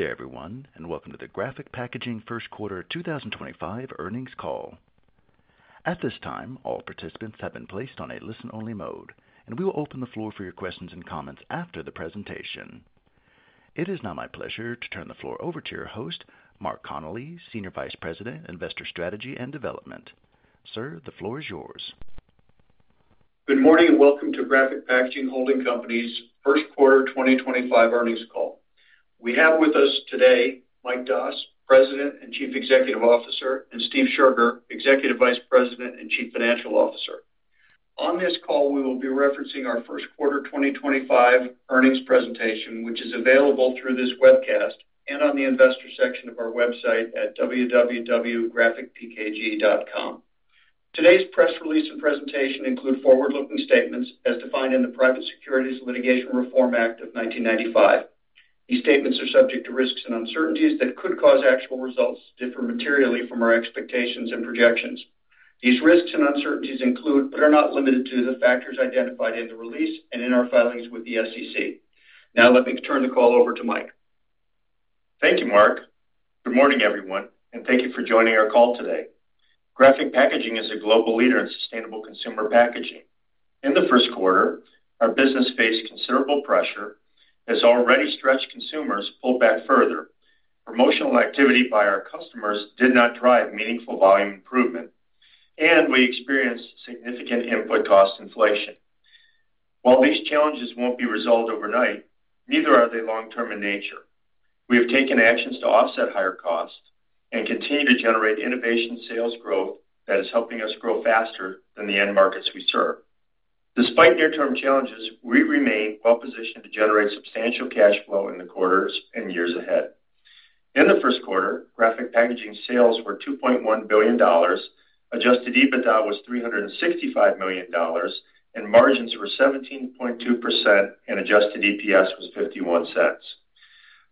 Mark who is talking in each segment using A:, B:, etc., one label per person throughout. A: Dear everyone, and welcome to the Graphic Packaging first quarter 2025 earnings call. At this time, all participants have been placed on a listen-only mode, and we will open the floor for your questions and comments after the presentation. It is now my pleasure to turn the floor over to your host, Mark Connelly, Senior Vice President, Investor Strategy and Development. Sir, the floor is yours.
B: Good morning and welcome to Graphic Packaging Holding Company's First Quarter 2025 earnings call. We have with us today Mike Doss, President and Chief Executive Officer, and Steve Scherger, Executive Vice President and Chief Financial Officer. On this call, we will be referencing our First Quarter 2025 earnings presentation, which is available through this webcast and on the investor section of our website at www.graphicpkg.com. Today's press release and presentation include forward-looking statements as defined in the Private Securities Litigation Reform Act of 1995. These statements are subject to risks and uncertainties that could cause actual results to differ materially from our expectations and projections. These risks and uncertainties include, but are not limited to, the factors identified in the release and in our filings with the SEC. Now, let me turn the call over to Mike.
C: Thank you, Mark. Good morning, everyone, and thank you for joining our call today. Graphic Packaging is a global leader in sustainable consumer packaging. In the first quarter, our business faced considerable pressure as already stretched consumers pulled back further. Promotional activity by our customers did not drive meaningful volume improvement, and we experienced significant input cost inflation. While these challenges will not be resolved overnight, neither are they long-term in nature. We have taken actions to offset higher costs and continue to generate innovation sales growth that is helping us grow faster than the end markets we serve. Despite near-term challenges, we remain well-positioned to generate substantial cash flow in the quarters and years ahead. In the first quarter, Graphic Packaging sales were $2.1 billion, adjusted EBITDA was $365 million, and margins were 17.2%, and adjusted EPS was $0.51.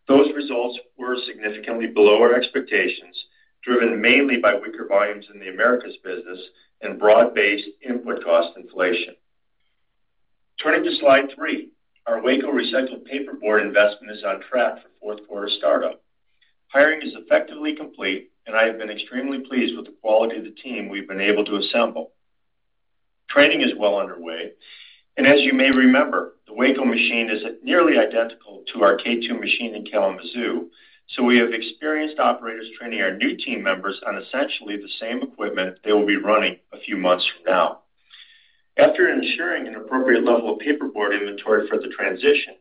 C: Those results were significantly below our expectations, driven mainly by weaker volumes in the Americas business and broad-based input cost inflation. Turning to Slide three, our Waco recycled paperboard investment is on track for fourth quarter startup. Hiring is effectively complete, and I have been extremely pleased with the quality of the team we've been able to assemble. Training is well underway, and as you may remember, the Waco machine is nearly identical to our K2 machine in Kalamazoo, so we have experienced operators training our new team members on essentially the same equipment they will be running a few months from now. After ensuring an appropriate level of paperboard inventory for the transition,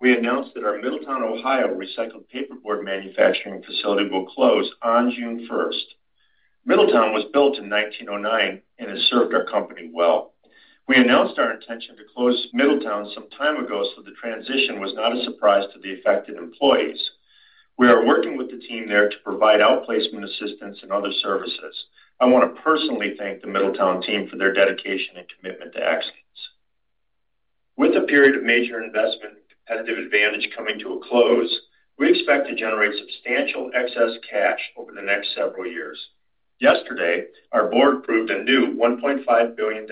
C: we announced that our Middletown, Ohio, recycled paperboard manufacturing facility will close on June 1. Middletown was built in 1909 and has served our company well. We announced our intention to close Middletown some time ago so the transition was not a surprise to the affected employees. We are working with the team there to provide outplacement assistance and other services. I want to personally thank the Middletown team for their dedication and commitment to excellence. With a period of major investment and competitive advantage coming to a close, we expect to generate substantial excess cash over the next several years. Yesterday, our board approved a new $1.5 billion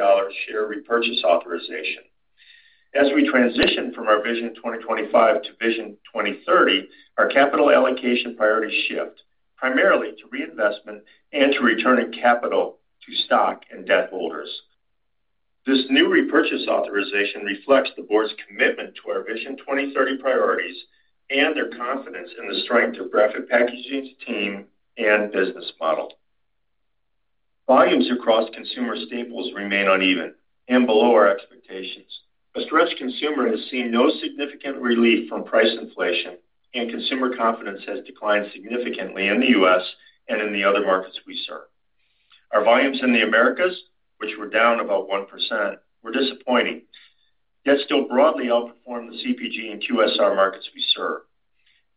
C: share repurchase authorization. As we transition from our Vision 2025 to Vision 2030, our capital allocation priorities shift primarily to reinvestment and to returning capital to stock and debt holders. This new repurchase authorization reflects the board's commitment to our Vision 2030 priorities and their confidence in the strength of Graphic Packaging's team and business model. Volumes across consumer staples remain uneven and below our expectations. A stretched consumer has seen no significant relief from price inflation, and consumer confidence has declined significantly in the U.S. and in the other markets we serve. Our volumes in the Americas, which were down about 1%, were disappointing, yet still broadly outperformed the CPG and QSR markets we serve.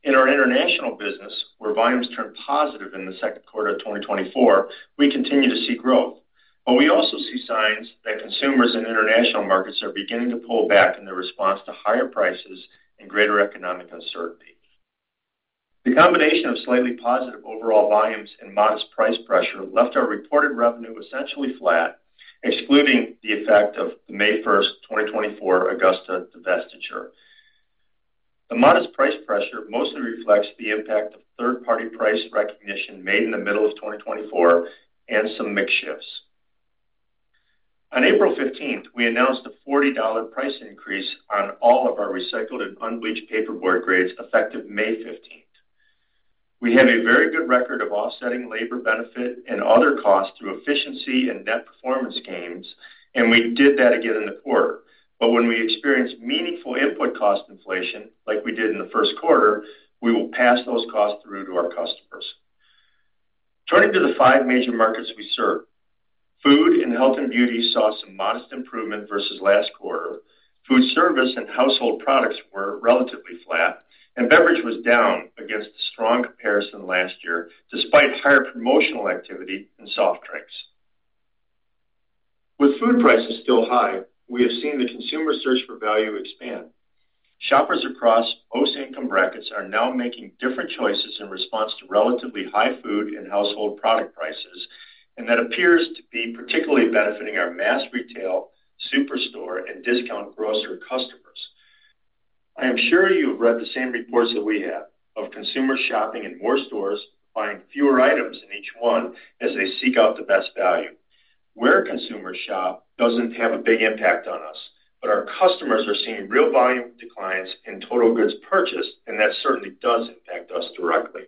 C: In our international business, where volumes turned positive in the second quarter of 2024, we continue to see growth, but we also see signs that consumers in international markets are beginning to pull back in their response to higher prices and greater economic uncertainty. The combination of slightly positive overall volumes and modest price pressure left our reported revenue essentially flat, excluding the effect of the May 1, 2024 Augusta divestiture. The modest price pressure mostly reflects the impact of third-party price recognition made in the middle of 2024 and some mixed shifts. On April 15th, we announced a $40 price increase on all of our recycled and unbleached paperboard grades effective May 15th. We have a very good record of offsetting labor, benefit, and other costs through efficiency and net performance gains, and we did that again in the quarter. When we experience meaningful input cost inflation, like we did in the first quarter, we will pass those costs through to our customers. Turning to the five major markets we serve, food and health and beauty saw some modest improvement versus last quarter. Food service and household products were relatively flat, and beverage was down against the strong comparison last year, despite higher promotional activity in soft drinks. With food prices still high, we have seen the consumer search for value expand. Shoppers across most income brackets are now making different choices in response to relatively high food and household product prices, and that appears to be particularly benefiting our mass retail, superstore, and discount grocer customers. I am sure you have read the same reports that we have of consumers shopping in more stores, buying fewer items in each one as they seek out the best value. Where consumers shop does not have a big impact on us, but our customers are seeing real volume declines in total goods purchased, and that certainly does impact us directly.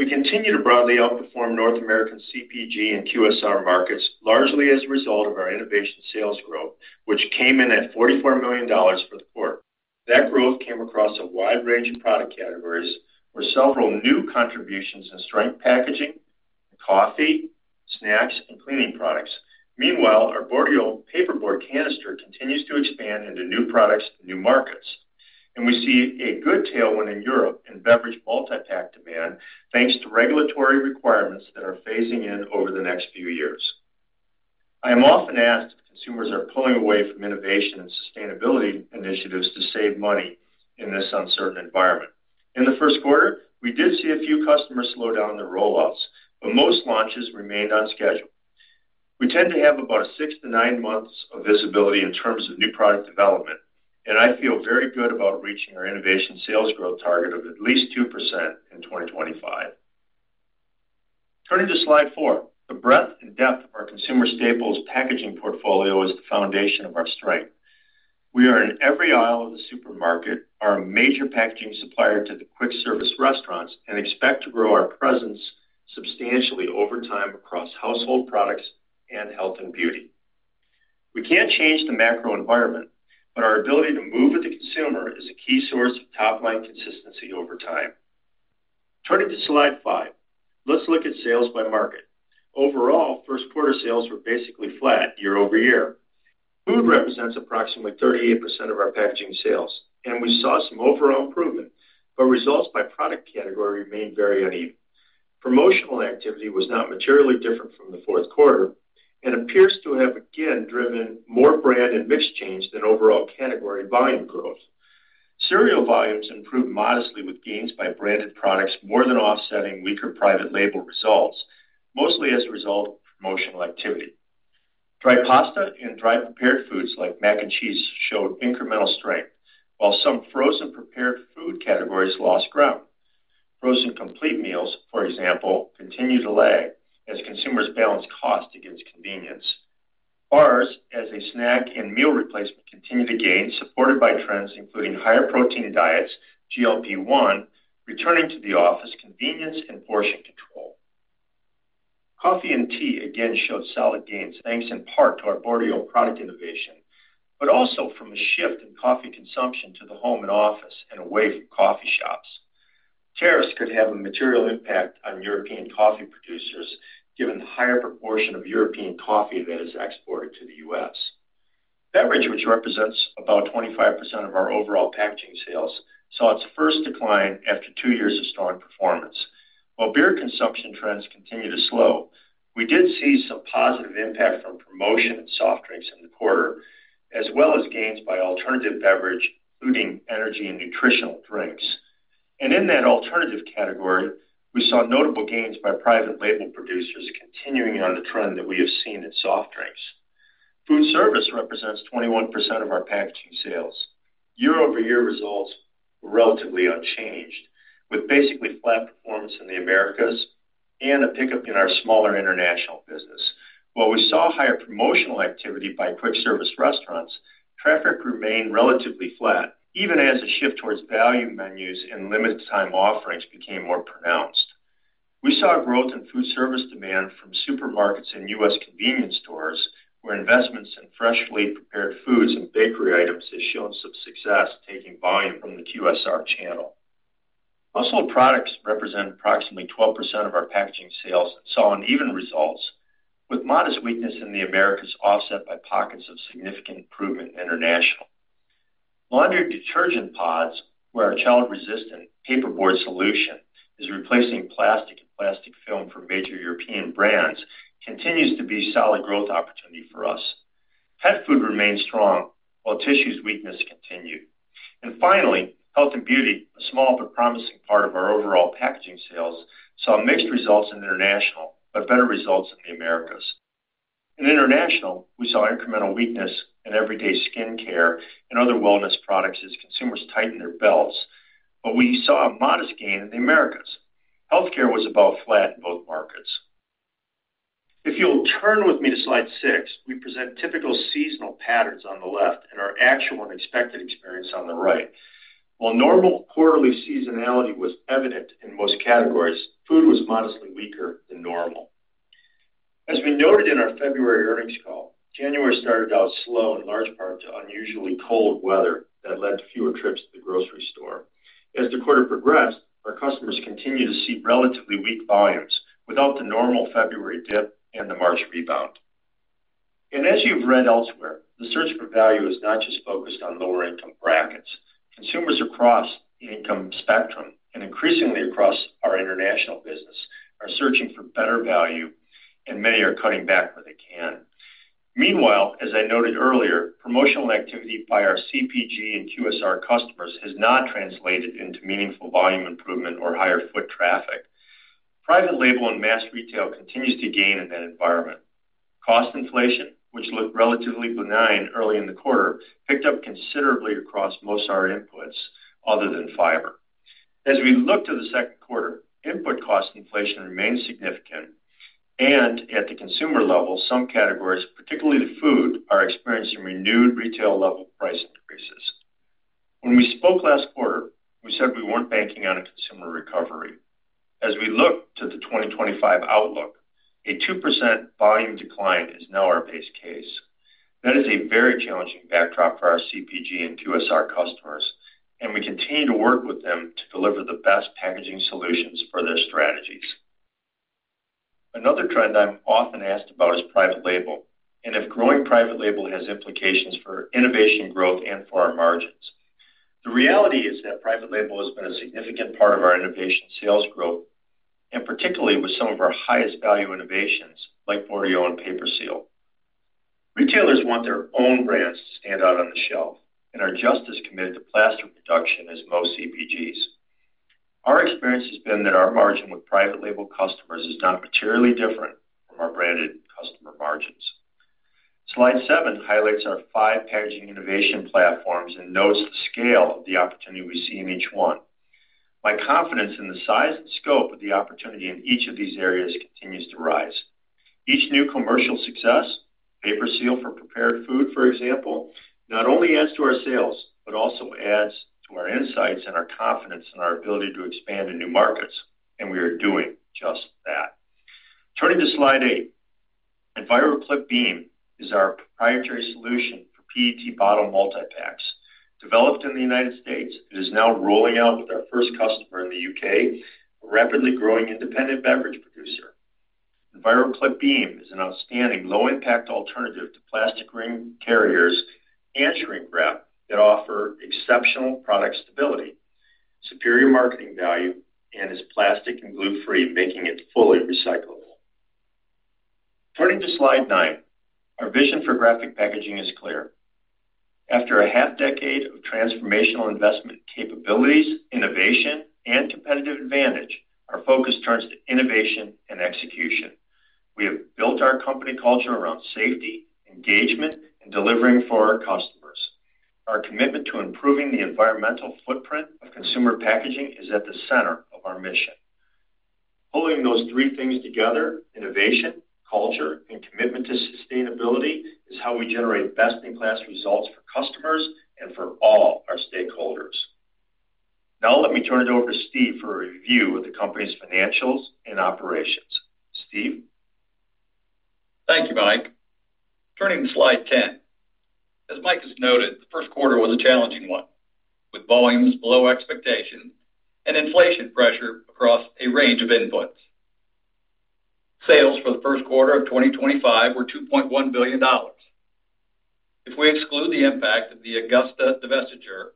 C: We continue to broadly outperform North American CPG and QSR markets, largely as a result of our innovation sales growth, which came in at $44 million for the quarter. That growth came across a wide range of product categories, with several new contributions in strength packaging, coffee, snacks, and cleaning products. Meanwhile, our Bordeaux paperboard canister continues to expand into new products and new markets, and we see a good tailwind in Europe in beverage multi-pack demand, thanks to regulatory requirements that are phasing in over the next few years. I am often asked if consumers are pulling away from innovation and sustainability initiatives to save money in this uncertain environment. In the first quarter, we did see a few customers slow down their rollouts, but most launches remained on schedule. We tend to have about six to nine months of visibility in terms of new product development, and I feel very good about reaching our innovation sales growth target of at least 2% in 2025. Turning to Slide four, the breadth and depth of our consumer staples packaging portfolio is the foundation of our strength. We are in every aisle of the supermarket, our major packaging supplier to the quick-service restaurants, and expect to grow our presence substantially over time across household products and health and beauty. We can't change the macro environment, but our ability to move with the consumer is a key source of top-line consistency over time. Turning to Slide five, let's look at sales by market. Overall, first quarter sales were basically flat year-over-year. Food represents approximately 38% of our packaging sales, and we saw some overall improvement, but results by product category remained very uneven. Promotional activity was not materially different from the fourth quarter and appears to have again driven more brand and mixed change than overall category volume growth. Cereal volumes improved modestly with gains by branded products more than offsetting weaker private label results, mostly as a result of promotional activity. Dried pasta and dried prepared foods like mac and cheese showed incremental strength, while some frozen prepared food categories lost ground. Frozen complete meals, for example, continue to lag as consumers balance cost against convenience. Bars as a snack and meal replacement continue to gain, supported by trends including higher protein diets, GLP-1, returning to the office, convenience, and portion control. Coffee and tea again showed solid gains, thanks in part to our Bordeaux product innovation, but also from a shift in coffee consumption to the home and office and away from coffee shops. Tariffs could have a material impact on European coffee producers, given the higher proportion of European coffee that is exported to the U.S. Beverage, which represents about 25% of our overall packaging sales, saw its first decline after two years of strong performance. While beer consumption trends continue to slow, we did see some positive impact from promotion and soft drinks in the quarter, as well as gains by alternative beverage, including energy and nutritional drinks. In that alternative category, we saw notable gains by private label producers continuing on the trend that we have seen in soft drinks. Food service represents 21% of our packaging sales. Year-over-year results were relatively unchanged, with basically flat performance in the Americas and a pickup in our smaller international business. While we saw higher promotional activity by quick-service restaurants, traffic remained relatively flat, even as a shift towards value menus and limited-time offerings became more pronounced. We saw growth in food service demand from supermarkets and U.S. convenience stores, where investments in freshly prepared foods and bakery items have shown some success, taking volume from the QSR channel. Household products represent approximately 12% of our packaging sales and saw uneven results, with modest weakness in the Americas offset by pockets of significant improvement in international. Laundry detergent pods, where our child-resistant paperboard solution is replacing plastic and plastic film for major European brands, continue to be a solid growth opportunity for us. Pet food remained strong, while tissues' weakness continued. Finally, health and beauty, a small but promising part of our overall packaging sales, saw mixed results in international, but better results in the Americas. In international, we saw incremental weakness in everyday skincare and other wellness products as consumers tightened their belts, but we saw a modest gain in the Americas. Healthcare was about flat in both markets. If you'll turn with me to Slide six, we present typical seasonal patterns on the left and our actual and expected experience on the right. While normal quarterly seasonality was evident in most categories, food was modestly weaker than normal. As we noted in our February earnings call, January started out slow in large part to unusually cold weather that led to fewer trips to the grocery store. As the quarter progressed, our customers continued to see relatively weak volumes without the normal February dip and the March rebound. As you have read elsewhere, the search for value is not just focused on lower-income brackets. Consumers across the income spectrum and increasingly across our international business are searching for better value, and many are cutting back where they can. Meanwhile, as I noted earlier, promotional activity by our CPG and QSR customers has not translated into meaningful volume improvement or higher foot traffic. Private label and mass retail continues to gain in that environment. Cost inflation, which looked relatively benign early in the quarter, picked up considerably across most of our inputs other than fiber. As we look to the second quarter, input cost inflation remains significant, and at the consumer level, some categories, particularly the food, are experiencing renewed retail-level price increases. When we spoke last quarter, we said we weren't banking on a consumer recovery. As we look to the 2025 outlook, a 2% volume decline is now our base case. That is a very challenging backdrop for our CPG and QSR customers, and we continue to work with them to deliver the best packaging solutions for their strategies. Another trend I'm often asked about is private label and if growing private label has implications for innovation growth and for our margins. The reality is that private label has been a significant part of our innovation sales growth, and particularly with some of our highest value innovations like Bordeaux and Paper Seal. Retailers want their own brands to stand out on the shelf and are just as committed to plaster production as most CPGs. Our experience has been that our margin with private label customers is not materially different from our branded customer margins. Slide seven highlights our five packaging innovation platforms and notes the scale of the opportunity we see in each one. My confidence in the size and scope of the opportunity in each of these areas continues to rise. Each new commercial success, Paper Seal for prepared food, for example, not only adds to our sales, but also adds to our insights and our confidence in our ability to expand in new markets, and we are doing just that. Turning to Slide eight, EnviroClip Beam is our proprietary solution for PET bottle multi-packs. Developed in the United States, it is now rolling out with our first customer in the U.K., a rapidly growing independent beverage producer. EnviroClip Beam is an outstanding low-impact alternative to plastic ring carriers and shrink wrap that offer exceptional product stability, superior marketing value, and is plastic and glue-free, making it fully recyclable. Turning to Slide nine, our vision for Graphic Packaging is clear. After a half-decade of transformational investment capabilities, innovation, and competitive advantage, our focus turns to innovation and execution. We have built our company culture around safety, engagement, and delivering for our customers. Our commitment to improving the environmental footprint of consumer packaging is at the center of our mission. Pulling those three things together, innovation, culture, and commitment to sustainability is how we generate best-in-class results for customers and for all our stakeholders. Now let me turn it over to Steve for a review of the company's financials and operations. Steve?
D: Thank you, Mike. Turning to Slide 10, as Mike has noted, the first quarter was a challenging one with volumes below expectations and inflation pressure across a range of inputs. Sales for the first quarter of 2025 were $2.1 billion. If we exclude the impact of the Augusta divestiture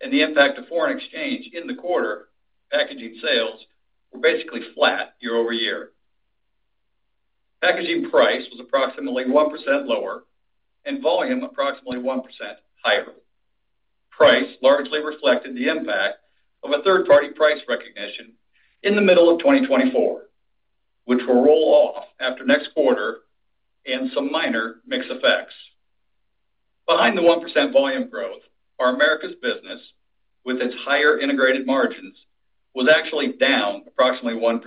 D: and the impact of foreign exchange in the quarter, packaging sales were basically flat year-over-year. Packaging price was approximately 1% lower and volume approximately 1% higher. Price largely reflected the impact of a third-party price recognition in the middle of 2024, which will roll off after next quarter and some minor mixed effects. Behind the 1% volume growth, our America's business, with its higher integrated margins, was actually down approximately 1%,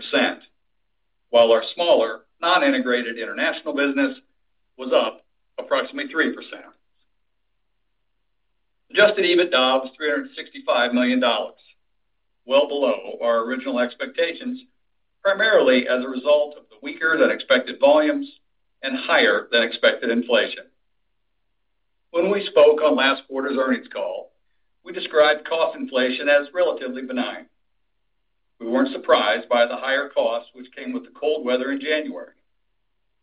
D: while our smaller non-integrated international business was up approximately 3%. Adjusted EBITDA was $365 million, well below our original expectations, primarily as a result of the weaker-than-expected volumes and higher-than-expected inflation. When we spoke on last quarter's earnings call, we described cost inflation as relatively benign. We were not surprised by the higher costs which came with the cold weather in January.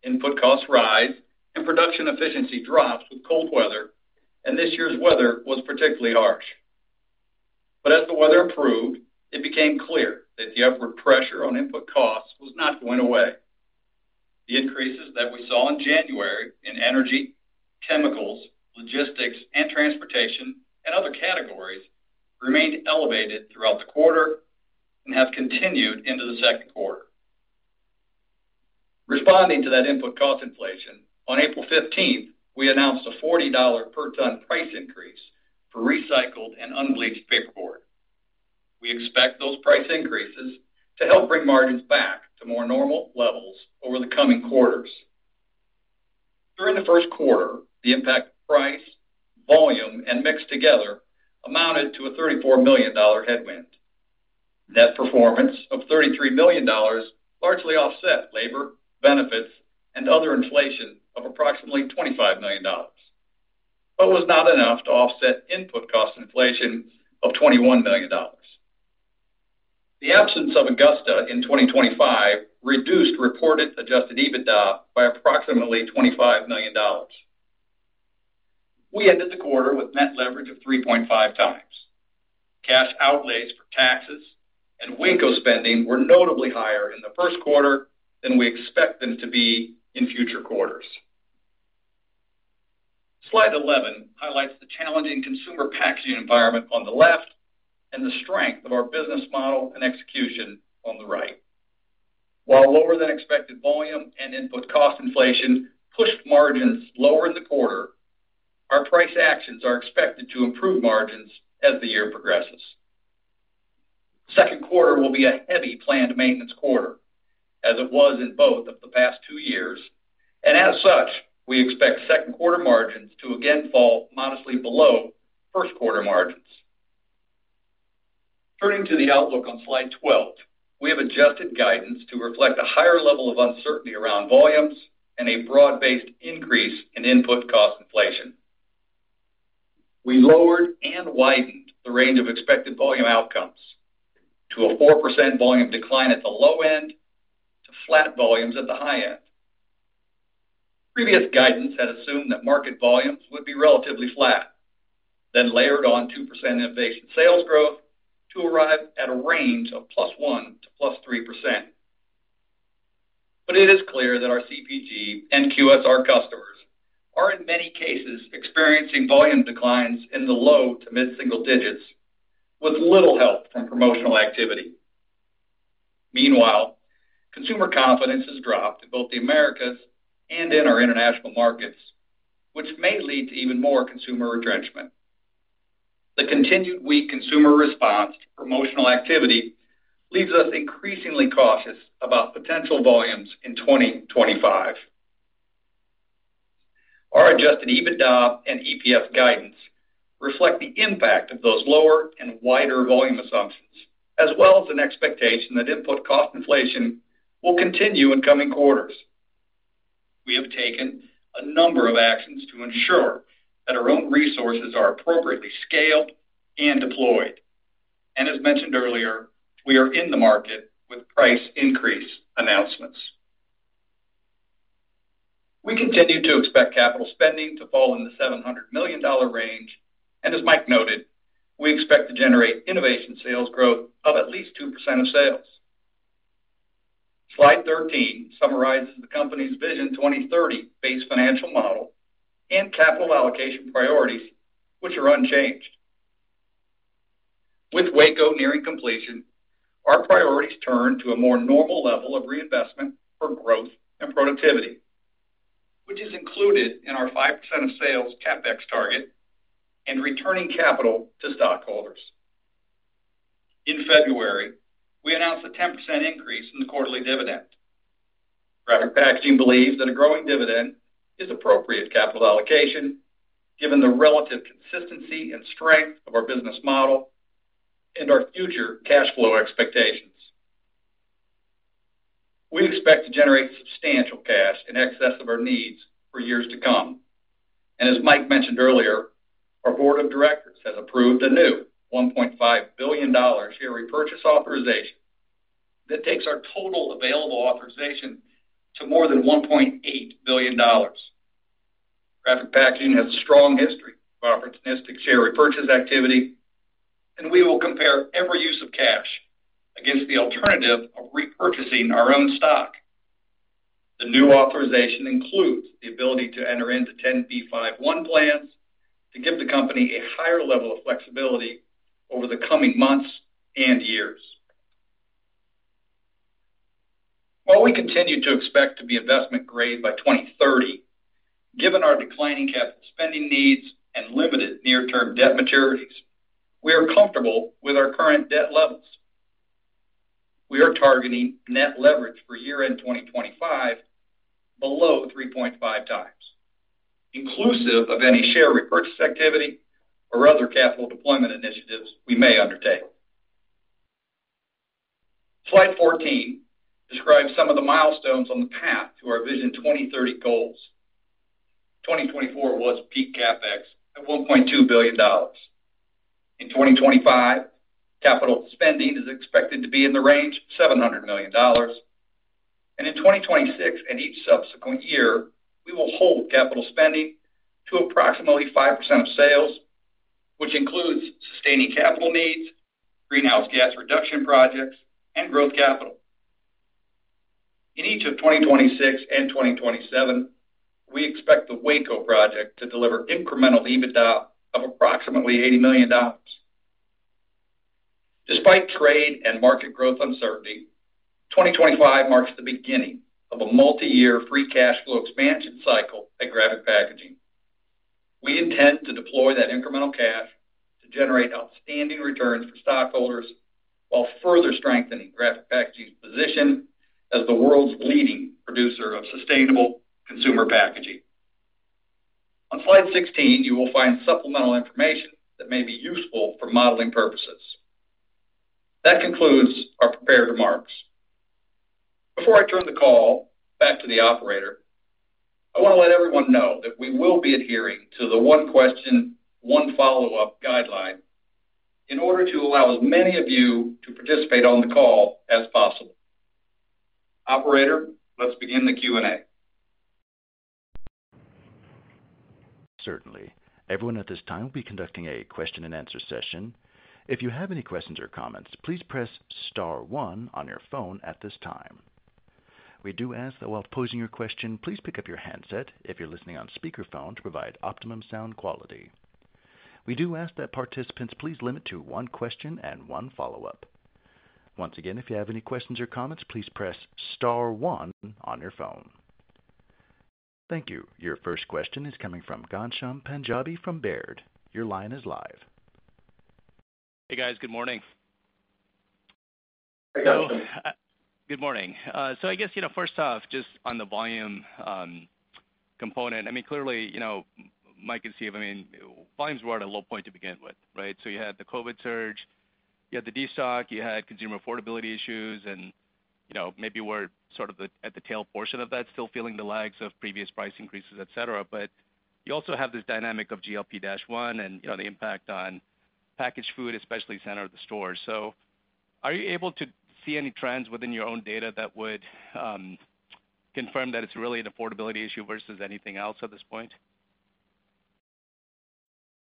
D: Input costs rise and production efficiency drops with cold weather, and this year's weather was particularly harsh. As the weather improved, it became clear that the upward pressure on input costs was not going away. The increases that we saw in January in energy, chemicals, logistics, and transportation, and other categories remained elevated throughout the quarter and have continued into the second quarter. Responding to that input cost inflation, on April 15th, we announced a $40 per ton price increase for recycled and unbleached paperboard. We expect those price increases to help bring margins back to more normal levels over the coming quarters. During the first quarter, the impact of price, volume, and mix together amounted to a $34 million headwind. Net performance of $33 million largely offset labor, benefits, and other inflation of approximately $25 million, but was not enough to offset input cost inflation of $21 million. The absence of Augusta in 2025 reduced reported adjusted EBITDA by approximately $25 million. We ended the quarter with net leverage of 3.5 times. Cash outlays for taxes and winkle spending were notably higher in the first quarter than we expect them to be in future quarters. Slide 11 highlights the challenging consumer packaging environment on the left and the strength of our business model and execution on the right. While lower-than-expected volume and input cost inflation pushed margins lower in the quarter, our price actions are expected to improve margins as the year progresses. The second quarter will be a heavy planned maintenance quarter, as it was in both of the past two years, and as such, we expect second-quarter margins to again fall modestly below first-quarter margins. Turning to the outlook on Slide 12, we have adjusted guidance to reflect a higher level of uncertainty around volumes and a broad-based increase in input cost inflation. We lowered and widened the range of expected volume outcomes to a 4% volume decline at the low end to flat volumes at the high end. Previous guidance had assumed that market volumes would be relatively flat, then layered on 2% invasive sales growth to arrive at a range of +1% to +3%. It is clear that our CPG and QSR customers are in many cases experiencing volume declines in the low to mid-single digits with little help from promotional activity. Meanwhile, consumer confidence has dropped in both the Americas and in our international markets, which may lead to even more consumer retrenchment. The continued weak consumer response to promotional activity leaves us increasingly cautious about potential volumes in 2025. Our adjusted EBITDA and EPS guidance reflect the impact of those lower and wider volume assumptions, as well as an expectation that input cost inflation will continue in coming quarters. We have taken a number of actions to ensure that our own resources are appropriately scaled and deployed. As mentioned earlier, we are in the market with price increase announcements. We continue to expect capital spending to fall in the $700 million range, and as Mike noted, we expect to generate innovation sales growth of at least 2% of sales. Slide 13 summarizes the company's Vision 2030-based financial model and capital allocation priorities, which are unchanged. With Waco nearing completion, our priorities turn to a more normal level of reinvestment for growth and productivity, which is included in our 5% of sales CapEx target and returning capital to stockholders. In February, we announced a 10% increase in the quarterly dividend. Graphic Packaging Holding Company believes that a growing dividend is appropriate capital allocation given the relative consistency and strength of our business model and our future cash flow expectations. We expect to generate substantial cash in excess of our needs for years to come. As Mike mentioned earlier, our board of directors has approved a new $1.5 billion share repurchase authorization that takes our total available authorization to more than $1.8 billion. Graphic Packaging has a strong history of opportunistic share repurchase activity, and we will compare every use of cash against the alternative of repurchasing our own stock. The new authorization includes the ability to enter into 10B5-1 plans to give the company a higher level of flexibility over the coming months and years. While we continue to expect to be investment-grade by 2030, given our declining capital spending needs and limited near-term debt maturities, we are comfortable with our current debt levels. We are targeting net leverage for year-end 2025 below 3.5 times, inclusive of any share repurchase activity or other capital deployment initiatives we may undertake. Slide 14 describes some of the milestones on the path to our Vision 2030 goals. 2024 was peak CapEx at $1.2 billion. In 2025, capital spending is expected to be in the range of $700 million. In 2026 and each subsequent year, we will hold capital spending to approximately 5% of sales, which includes sustaining capital needs, greenhouse gas reduction projects, and growth capital. In each of 2026 and 2027, we expect the Waco project to deliver incremental EBITDA of approximately $80 million. Despite trade and market growth uncertainty, 2025 marks the beginning of a multi-year free cash flow expansion cycle at Graphic Packaging. We intend to deploy that incremental cash to generate outstanding returns for stockholders while further strengthening Graphic Packaging's position as the world's leading producer of sustainable consumer packaging. On Slide 16, you will find supplemental information that may be useful for modeling purposes. That concludes our prepared remarks. Before I turn the call back to the operator, I want to let everyone know that we will be adhering to the one question, one follow-up guideline in order to allow as many of you to participate on the call as possible. Operator, let's begin the Q&A.
A: Certainly. Everyone at this time will be conducting a question-and-answer session. If you have any questions or comments, please press star one on your phone at this time. We do ask that while posing your question, please pick up your handset if you're listening on speakerphone to provide optimum sound quality. We do ask that participants please limit to one question and one follow-up. Once again, if you have any questions or comments, please press star one on your phone. Thank you. Your first question is coming from Ghansham Panjabi from Baird. Your line is live.
E: Hey, guys. Good morning. Good morning. I guess, first off, just on the volume component, I mean, clearly, Mike and Steve, I mean, volumes were at a low point to begin with, right? You had the COVID surge, you had the DSOC, you had consumer affordability issues, and maybe we're sort of at the tail portion of that, still feeling the lags of previous price increases, etc. You also have this dynamic of GLP-1 and the impact on packaged food, especially center of the store. Are you able to see any trends within your own data that would confirm that it's really an affordability issue versus anything else at this point?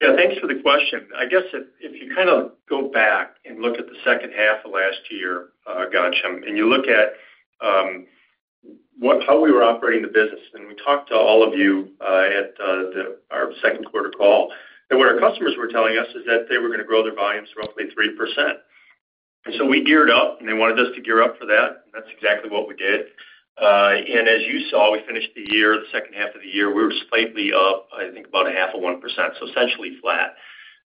C: Yeah. Thanks for the question. I guess if you kind of go back and look at the second half of last year, Ganshan, and you look at how we were operating the business, we talked to all of you at our second-quarter call, and what our customers were telling us is that they were going to grow their volumes roughly 3%. We geared up, and they wanted us to gear up for that, and that's exactly what we did. As you saw, we finished the year, the second half of the year, we were slightly up, I think, about a half of 1%, so essentially flat.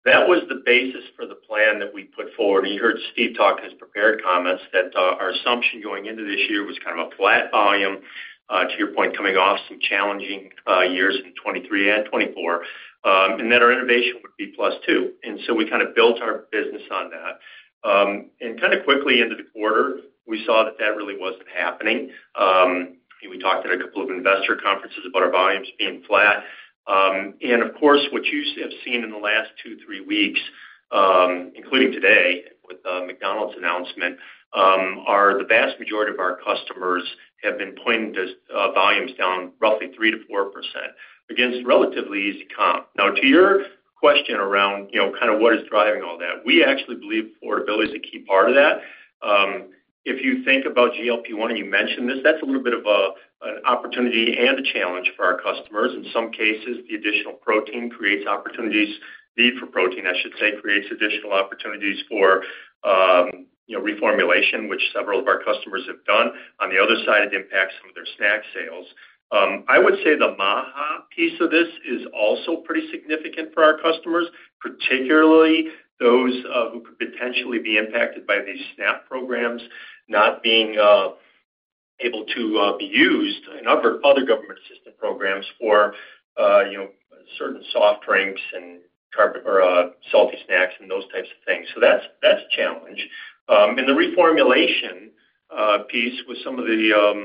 C: That was the basis for the plan that we put forward. You heard Steve talk in his prepared comments that our assumption going into this year was kind of a flat volume, to your point, coming off some challenging years in 2023 and 2024, and that our innovation would be +2. We kind of built our business on that. Kind of quickly into the quarter, we saw that that really was not happening. We talked at a couple of investor conferences about our volumes being flat. Of course, what you have seen in the last two, three weeks, including today with McDonald's announcement, is the vast majority of our customers have been pointing to volumes down roughly 3%-4% against relatively easy comp. Now, to your question around kind of what is driving all that, we actually believe affordability is a key part of that. If you think about GLP-1, and you mentioned this, that's a little bit of an opportunity and a challenge for our customers. In some cases, the additional protein creates opportunities; need for protein, I should say, creates additional opportunities for reformulation, which several of our customers have done. On the other side, it impacts some of their snack sales. I would say the MAHA piece of this is also pretty significant for our customers, particularly those who could potentially be impacted by these SNAP programs not being able to be used in other government assistance programs for certain soft drinks and salty snacks and those types of things. That is a challenge. The reformulation piece with some of the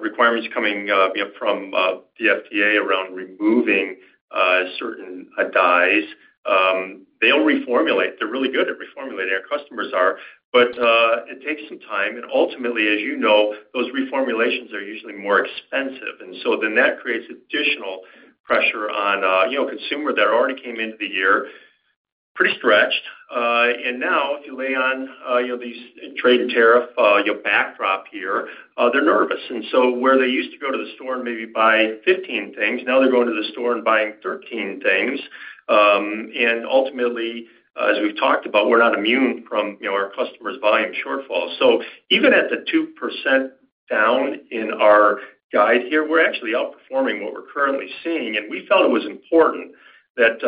C: requirements coming from the FDA around removing certain dyes, they'll reformulate. They're really good at reformulating. Our customers are. It takes some time. Ultimately, as you know, those reformulations are usually more expensive. That creates additional pressure on consumers that already came into the year pretty stretched. Now, if you lay on these trade tariff backdrop here, they're nervous. Where they used to go to the store and maybe buy 15 things, now they're going to the store and buying 13 things. Ultimately, as we've talked about, we're not immune from our customers' volume shortfall. Even at the 2% down in our guide here, we're actually outperforming what we're currently seeing. We felt it was important that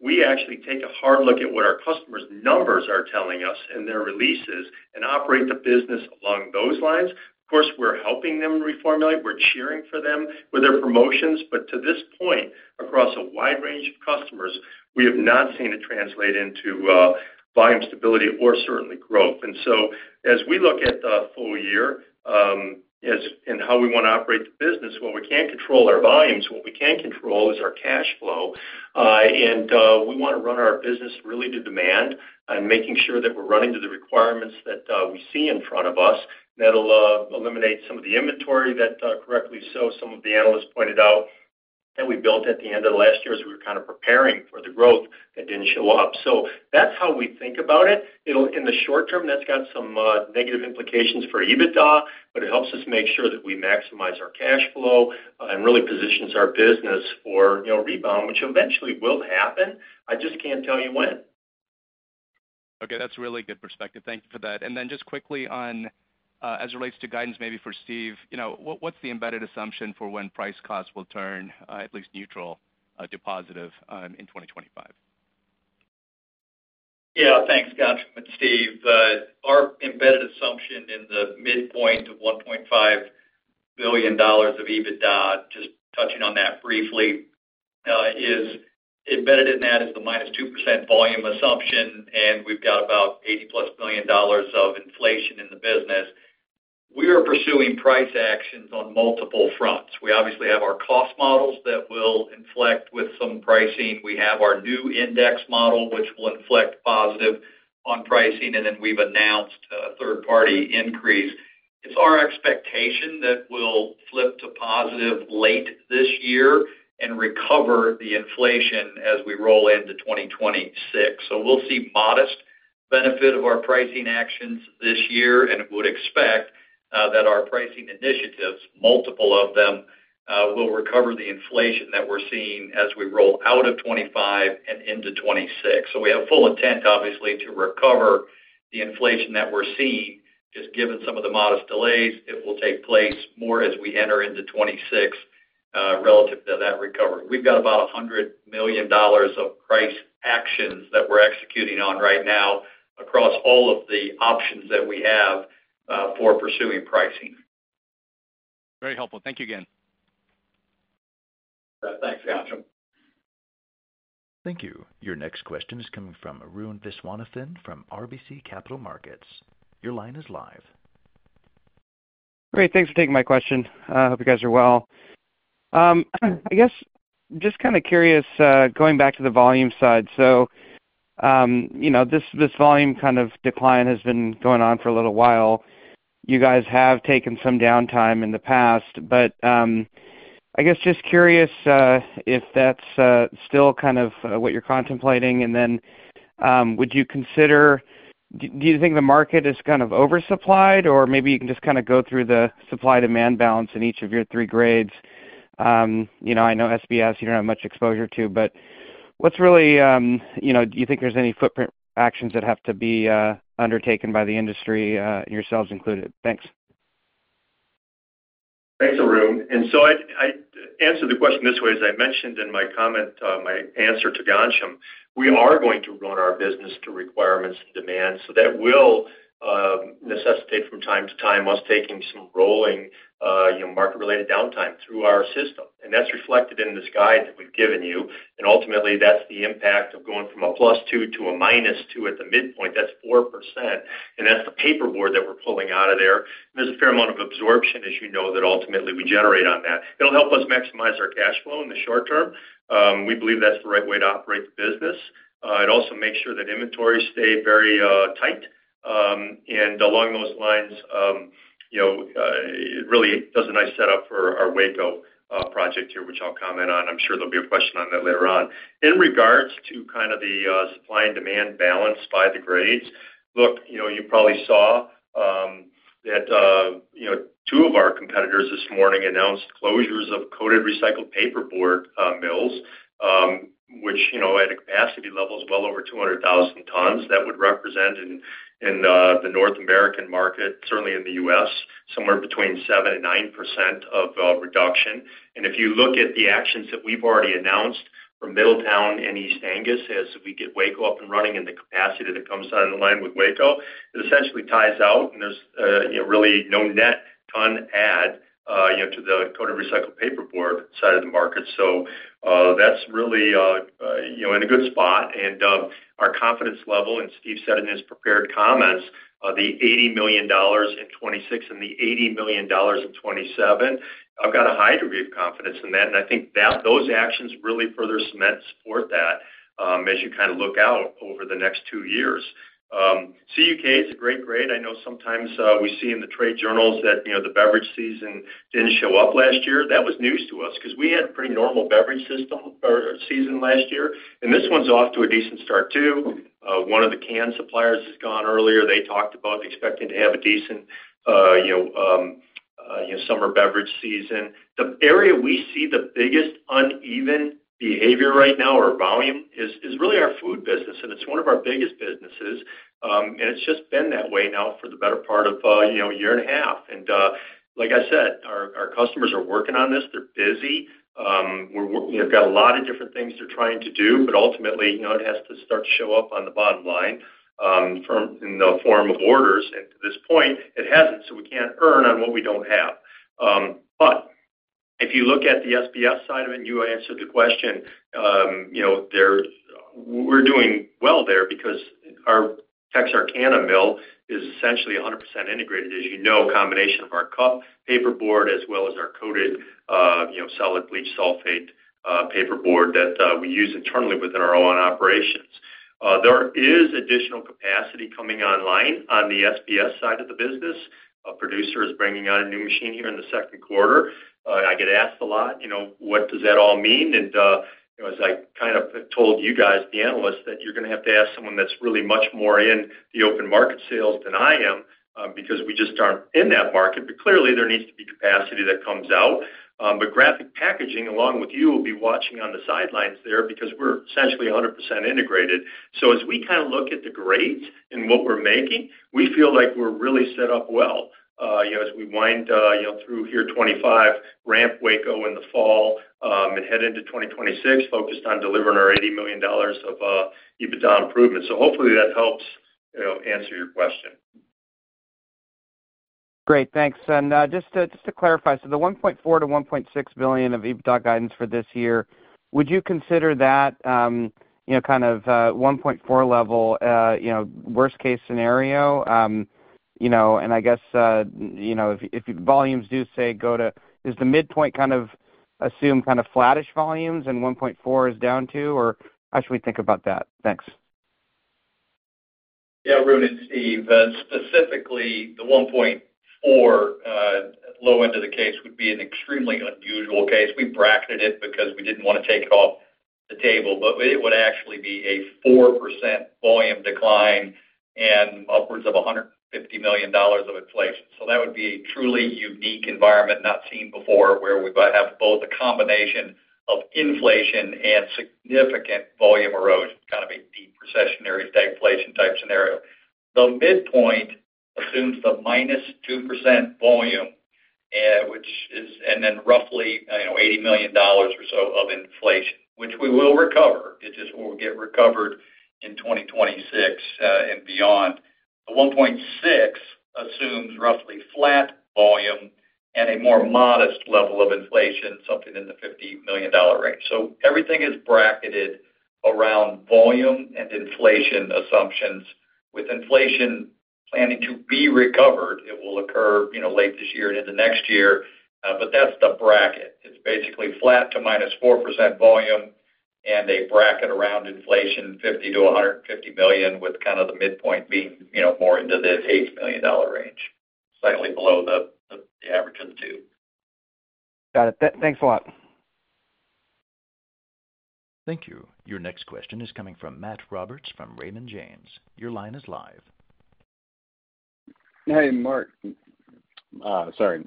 C: we actually take a hard look at what our customers' numbers are telling us and their releases and operate the business along those lines. Of course, we're helping them reformulate. We're cheering for them with their promotions. To this point, across a wide range of customers, we have not seen it translate into volume stability or certainly growth. As we look at the full year and how we want to operate the business, we can't control our volumes. What we can control is our cash flow. We want to run our business really to demand and make sure that we're running to the requirements that we see in front of us. That will eliminate some of the inventory that, correctly so, some of the analysts pointed out that we built at the end of last year as we were kind of preparing for the growth that didn't show up. That's how we think about it. In the short term, that's got some negative implications for EBITDA, but it helps us make sure that we maximize our cash flow and really positions our business for rebound, which eventually will happen. I just can't tell you when.
E: Okay. That's really good perspective. Thank you for that. Just quickly on as it relates to guidance maybe for Steve, what's the embedded assumption for when price costs will turn at least neutral to positive in 2025?
D: Yeah. Thanks, Ghansham it'scSteve. Our embedded assumption in the midpoint of $1.5 billion of EBITDA, just touching on that briefly, is embedded in that is the minus 2% volume assumption, and we've got about $80 million of inflation in the business. We are pursuing price actions on multiple fronts. We obviously have our cost models that will inflect with some pricing. We have our new index model, which will inflect positive on pricing, and then we've announced a third-party increase. It's our expectation that we'll flip to positive late this year and recover the inflation as we roll into 2026. We will see modest benefit of our pricing actions this year, and we would expect that our pricing initiatives, multiple of them, will recover the inflation that we're seeing as we roll out of 2025 and into 2026. We have full intent, obviously, to recover the inflation that we're seeing. Just given some of the modest delays, it will take place more as we enter into 2026 relative to that recovery. We've got about $100 million of price actions that we're executing on right now across all of the options that we have for pursuing pricing.
E: Very helpful. Thank you again.
A: Thank you. Your next question comes from Arun Viswanathan from RBC Capital Markets.
F: Great. Thanks for taking my question. I hope you guys are well. I guess just kind of curious, going back to the volume side. This volume kind of decline has been going on for a little while. You guys have taken some downtime in the past. I guess just curious if that's still kind of what you're contemplating. Would you consider, do you think the market is kind of oversupplied, or maybe you can just kind of go through the supply-demand balance in each of your three grades? I know SBS you don't have much exposure to, but what's really, do you think there's any footprint actions that have to be undertaken by the industry, yourselves included?
C: Thanks. Thanks, Arun. I answer the question this way. As I mentioned in my comment, my answer to Ghansham, we are going to run our business to requirements and demands. That will necessitate from time to time us taking some rolling market-related downtime through our system. That is reflected in this guide that we have given you. Ultimately, that is the impact of going from a +2% to a -2% at the midpoint. That is 4%. That is the paperboard that we are pulling out of there. There is a fair amount of absorption, as you know, that ultimately we generate on that. It will help us maximize our cash flow in the short term. We believe that is the right way to operate the business. It also makes sure that inventories stay very tight. Along those lines, it really does a nice setup for our Waco project here, which I will comment on. I'm sure there'll be a question on that later on. In regards to kind of the supply and demand balance by the grades, look, you probably saw that two of our competitors this morning announced closures of coated recycled paperboard mills, which at a capacity level is well over 200,000 tons. That would represent in the North American market, certainly in the U.S., somewhere between 7% and 9% of reduction. If you look at the actions that we've already announced for Middletown and East Angus as we get Waco up and running and the capacity that comes on the line with Waco, it essentially ties out, and there's really no net ton add to the coated recycled paperboard side of the market. That is really in a good spot. Our confidence level, and Steve said in his prepared comments, the $80 million in 2026 and the $80 million in 2027, I've got a high degree of confidence in that. I think those actions really further cement support that as you kind of look out over the next two years. CUK is a great grade. I know sometimes we see in the trade journals that the beverage season did not show up last year. That was news to us because we had a pretty normal beverage season last year. This one is off to a decent start too. One of the canned suppliers has gone earlier. They talked about expecting to have a decent summer beverage season. The area we see the biggest uneven behavior right now or volume is really our food business. It is one of our biggest businesses. It has just been that way now for the better part of a year and a half. Like I said, our customers are working on this. They're busy. We've got a lot of different things they're trying to do. Ultimately, it has to start to show up on the bottom line in the form of orders. To this point, it hasn't. We can't earn on what we don't have. If you look at the SBS side of it, and you answered the question, we're doing well there because our Texarkana mill is essentially 100% integrated, as you know, a combination of our cup paperboard as well as our coated solid bleached sulfate paperboard that we use internally within our own operations. There is additional capacity coming online on the SBS side of the business. A producer is bringing out a new machine here in the second quarter. I get asked a lot, "What does that all mean?" As I kind of told you guys, the analysts, you're going to have to ask someone that's really much more in the open market sales than I am because we just aren't in that market. Clearly, there needs to be capacity that comes out. Graphic Packaging, along with you, will be watching on the sidelines there because we're essentially 100% integrated. As we kind of look at the grades and what we're making, we feel like we're really set up well as we wind through here 2025, ramp Waco in the fall, and head into 2026 focused on delivering our $80 million of EBITDA improvement. Hopefully, that helps answer your question.
F: Great. Thanks. Just to clarify, the $1.4 billion-$1.6 billion of EBITDA guidance for this year, would you consider that $1.4 billion level worst-case scenario? I guess if volumes do, say, go to, is the midpoint kind of assume kind of flattish volumes and $1.4 billion is down to, or how should we think about that? Thanks.
D: Yeah. Arun it's Steve, specifically, the $1.4 billion low end of the case would be an extremely unusual case. We bracketed it because we did not want to take it off the table. It would actually be a 4% volume decline and upwards of $150 million of inflation. That would be a truly unique environment not seen before where we have both a combination of inflation and significant volume erosion, kind of a deep recessionary stagflation type scenario. The midpoint assumes the minus 2% volume, which is and then roughly $80 million or so of inflation, which we will recover. It just will get recovered in 2026 and beyond. The 1.6 assumes roughly flat volume and a more modest level of inflation, something in the $50 million range. Everything is bracketed around volume and inflation assumptions with inflation planning to be recovered. It will occur late this year and into next year. That is the bracket. It is basically flat to minus 4% volume and a bracket around inflation, $50 million-$150 million, with kind of the midpoint being more into the $80 million range, slightly below the average of the two.
F: Got it. Thanks a lot.
A: Thank you. Your next question is coming from Matt Roberts from Raymond James. Your line is live.
G: Hey, Mark. Sorry.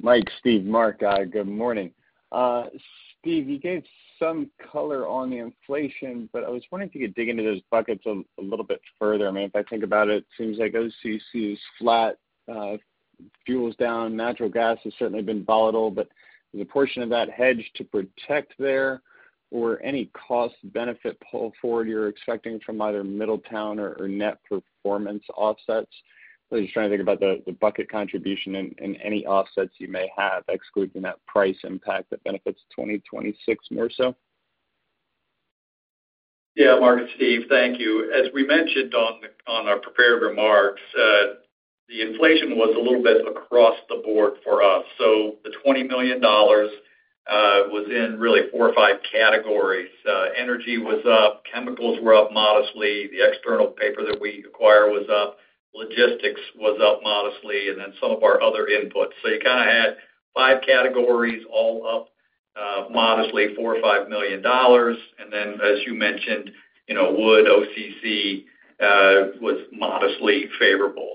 G: Mike, Steve, Mark, good morning. Steve, you gave some color on the inflation, but I was wondering if you could dig into those buckets a little bit further. I mean, if I think about it, it seems like OCC is flat, fuels down. Natural gas has certainly been volatile. Is a portion of that hedged to protect there or any cost-benefit pull forward you're expecting from either Middletown or net performance offsets? I was just trying to think about the bucket contribution and any offsets you may have, excluding that price impact that benefits 2026 more so.
D: Yeah. Mark, Steve, thank you. As we mentioned on our prepared remarks, the inflation was a little bit across the board for us. The $20 million was in really four or five categories. Energy was up. Chemicals were up modestly. The external paper that we acquire was up. Logistics was up modestly. Some of our other inputs, you kind of had five categories all up modestly, $4 million or $5 million. As you mentioned, wood, OCC was modestly favorable.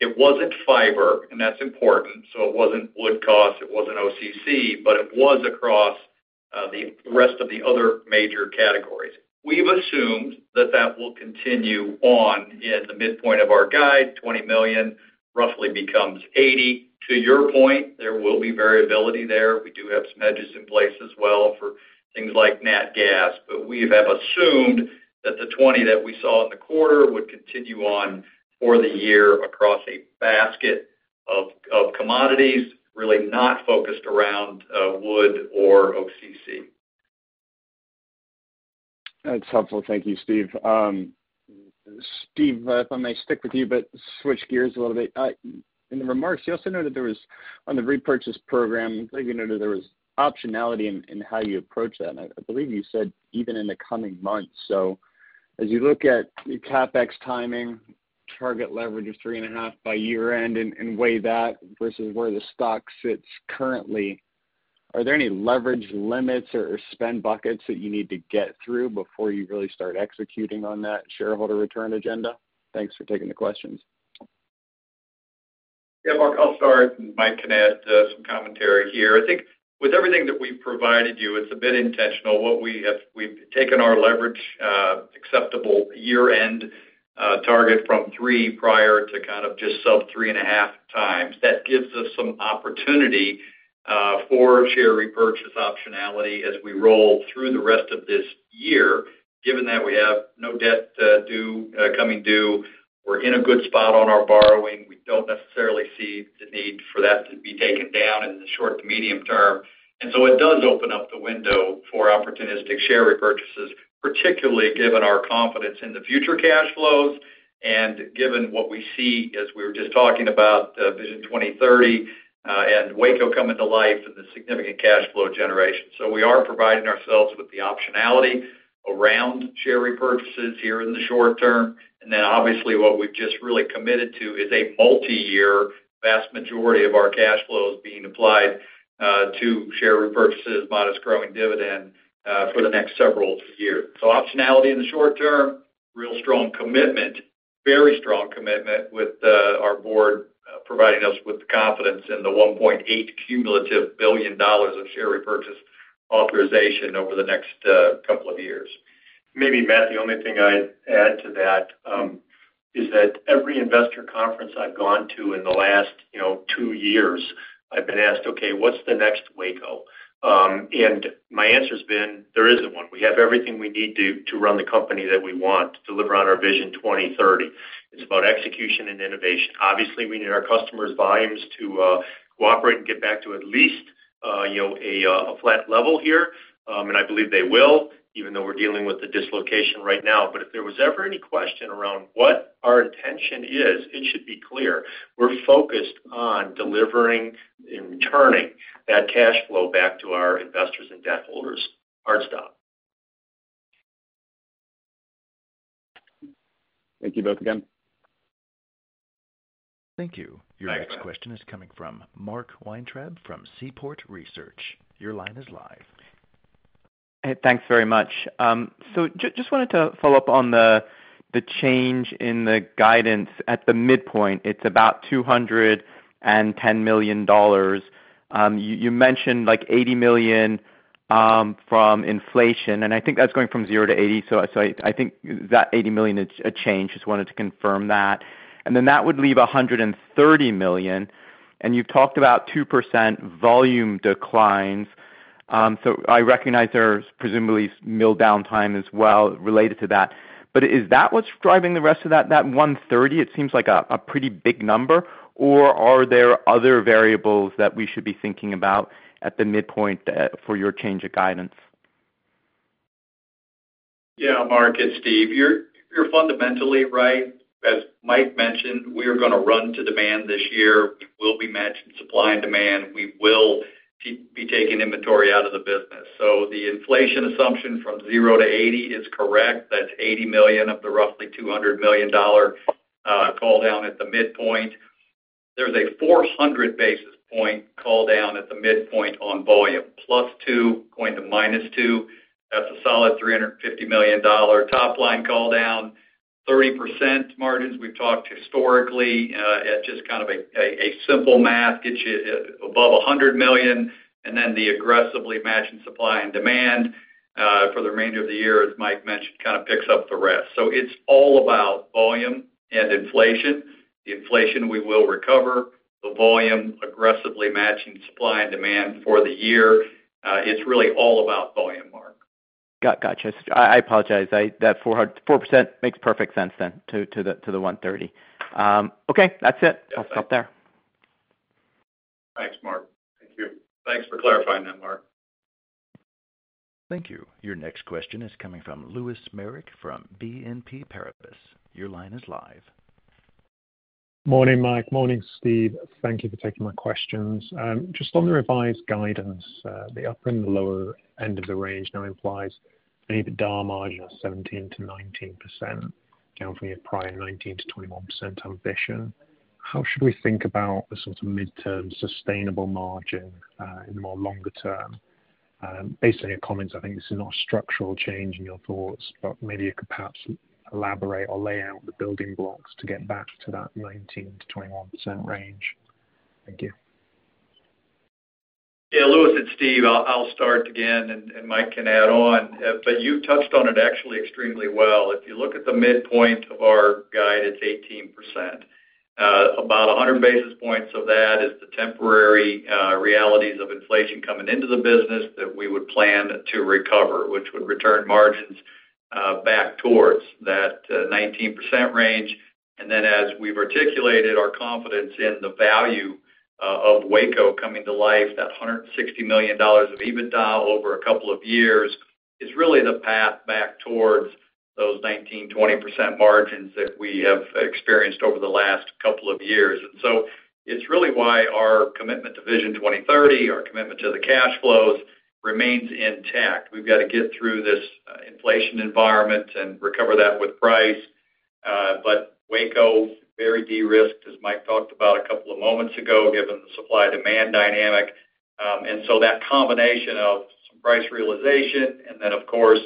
D: It was not fiber, and that is important. It was not wood costs. It was not OCC, but it was across the rest of the other major categories. We have assumed that will continue on in the midpoint of our guide. $20 million roughly becomes $80 million. To your point, there will be variability there. We do have some edges in place as well for things like natural gas. We have assumed that the $20 million that we saw in the quarter would continue on for the year across a basket of commodities, really not focused around wood or OCC.
G: That is helpful. Thank you, Steve. Steve, if I may stick with you but switch gears a little bit. In the remarks, you also noted there was on the repurchase program, I believe you noted there was optionality in how you approach that. I believe you said even in the coming months. As you look at your CapEx timing, target leverage of three and a half by year-end and weigh that versus where the stock sits currently, are there any leverage limits or spend buckets that you need to get through before you really start executing on that shareholder return agenda? Thanks for taking the questions.
D: Yeah. Mark, I'll start, and Mike can add some commentary here. I think with everything that we've provided you, it's a bit intentional. We've taken our leverage acceptable year-end target from three prior to kind of just sub three and a half times. That gives us some opportunity for share repurchase optionality as we roll through the rest of this year, given that we have no debt coming due. We're in a good spot on our borrowing. We don't necessarily see the need for that to be taken down in the short to medium term. It does open up the window for opportunistic share repurchases, particularly given our confidence in the future cash flows and given what we see as we were just talking about Vision 2030 and Waco coming to life and the significant cash flow generation. We are providing ourselves with the optionality around share repurchases here in the short term. Obviously, what we've just really committed to is a multi-year, vast majority of our cash flows being applied to share repurchases, modest growing dividend for the next several years. Optionality in the short term, real strong commitment, very strong commitment with our board providing us with the confidence in the $1.8 billion cumulative share repurchase authorization over the next couple of years.
C: Maybe, Matt, the only thing I'd add to that is that every investor conference I've gone to in the last two years, I've been asked, "Okay, what's the next Waco?" My answer has been, "There isn't one. We have everything we need to run the company that we want to deliver on our Vision 2030. It's about execution and innovation. Obviously, we need our customers' volumes to cooperate and get back to at least a flat level here." I believe they will, even though we're dealing with the dislocation right now. If there was ever any question around what our intention is, it should be clear. We're focused on delivering and returning that cash flow back to our investors and debt holders. Hard stop.
G: Thank you both again.
A: Thank you. Your next question is coming from Mark Weintraub from Seaport Research. Your line is live.
H: Hey, thanks very much. Just wanted to follow up on the change in the guidance at the midpoint. It's about $210 million. You mentioned like $80 million from inflation. I think that's going from zero to $80 million, so I think that $80 million is a change. Just wanted to confirm that. That would leave $130 million. You've talked about 2% volume declines. I recognize there's presumably mill downtime as well related to that. Is that what's driving the rest of that $130 million? It seems like a pretty big number. Or are there other variables that we should be thinking about at the midpoint for your change of guidance?
D: Yeah. Mark, it's Steve. You're fundamentally right. As Mike mentioned, we are going to run to demand this year. We will be matching supply and demand. We will be taking inventory out of the business. The inflation assumption from zero to 80 is correct. That's $80 million of the roughly $200 million call down at the midpoint. There's a 400 basis point call down at the midpoint on volume, plus two, going to minus two. That's a solid $350 million top line call down, 30% margins. We've talked historically at just kind of a simple math, get you above $100 million. The aggressively matching supply and demand for the remainder of the year, as Mike mentioned, kind of picks up the rest. It is all about volume and inflation. The inflation, we will recover. The volume, aggressively matching supply and demand for the year. It is really all about volume, Mark.
H: Gotcha. I apologize. That 4% makes perfect sense then to the 130. Okay. That is it. I will stop there.
D: Thanks, Mark. Thanks for clarifying that, Mark.
A: Thank you. Your next question is coming from Lewis Merrick from BNP Paribas. Your line is live. Morning, Mike. Morning, Steve. Thank you for taking my questions. Just on the revised guidance, the upper and the lower end of the range now implies an EBITDA margin of 17%-19% down from your prior 19%-21% ambition. How should we think about the sort of midterm sustainable margin in the more longer term? Based on your comments, I think this is not a structural change in your thoughts, but maybe you could perhaps elaborate or lay out the building blocks to get back to that 19%-21% range. Thank you.
D: Yeah. Lewis, it's Steve. I'll start again, and Mike can add on. You have touched on it actually extremely well. If you look at the midpoint of our guide, it's 18%. About 100 basis points of that is the temporary realities of inflation coming into the business that we would plan to recover, which would return margins back towards that 19% range. As we have articulated, our confidence in the value of Waco coming to life, that $160 million of EBITDA over a couple of years is really the path back towards those 19%-20% margins that we have experienced over the last couple of years. It is really why our commitment to Vision 2030, our commitment to the cash flows remains intact. We have got to get through this inflation environment and recover that with price. Waco is very de-risked, as Mike talked about a couple of moments ago, given the supply-demand dynamic. That combination of some price realization and then, of course,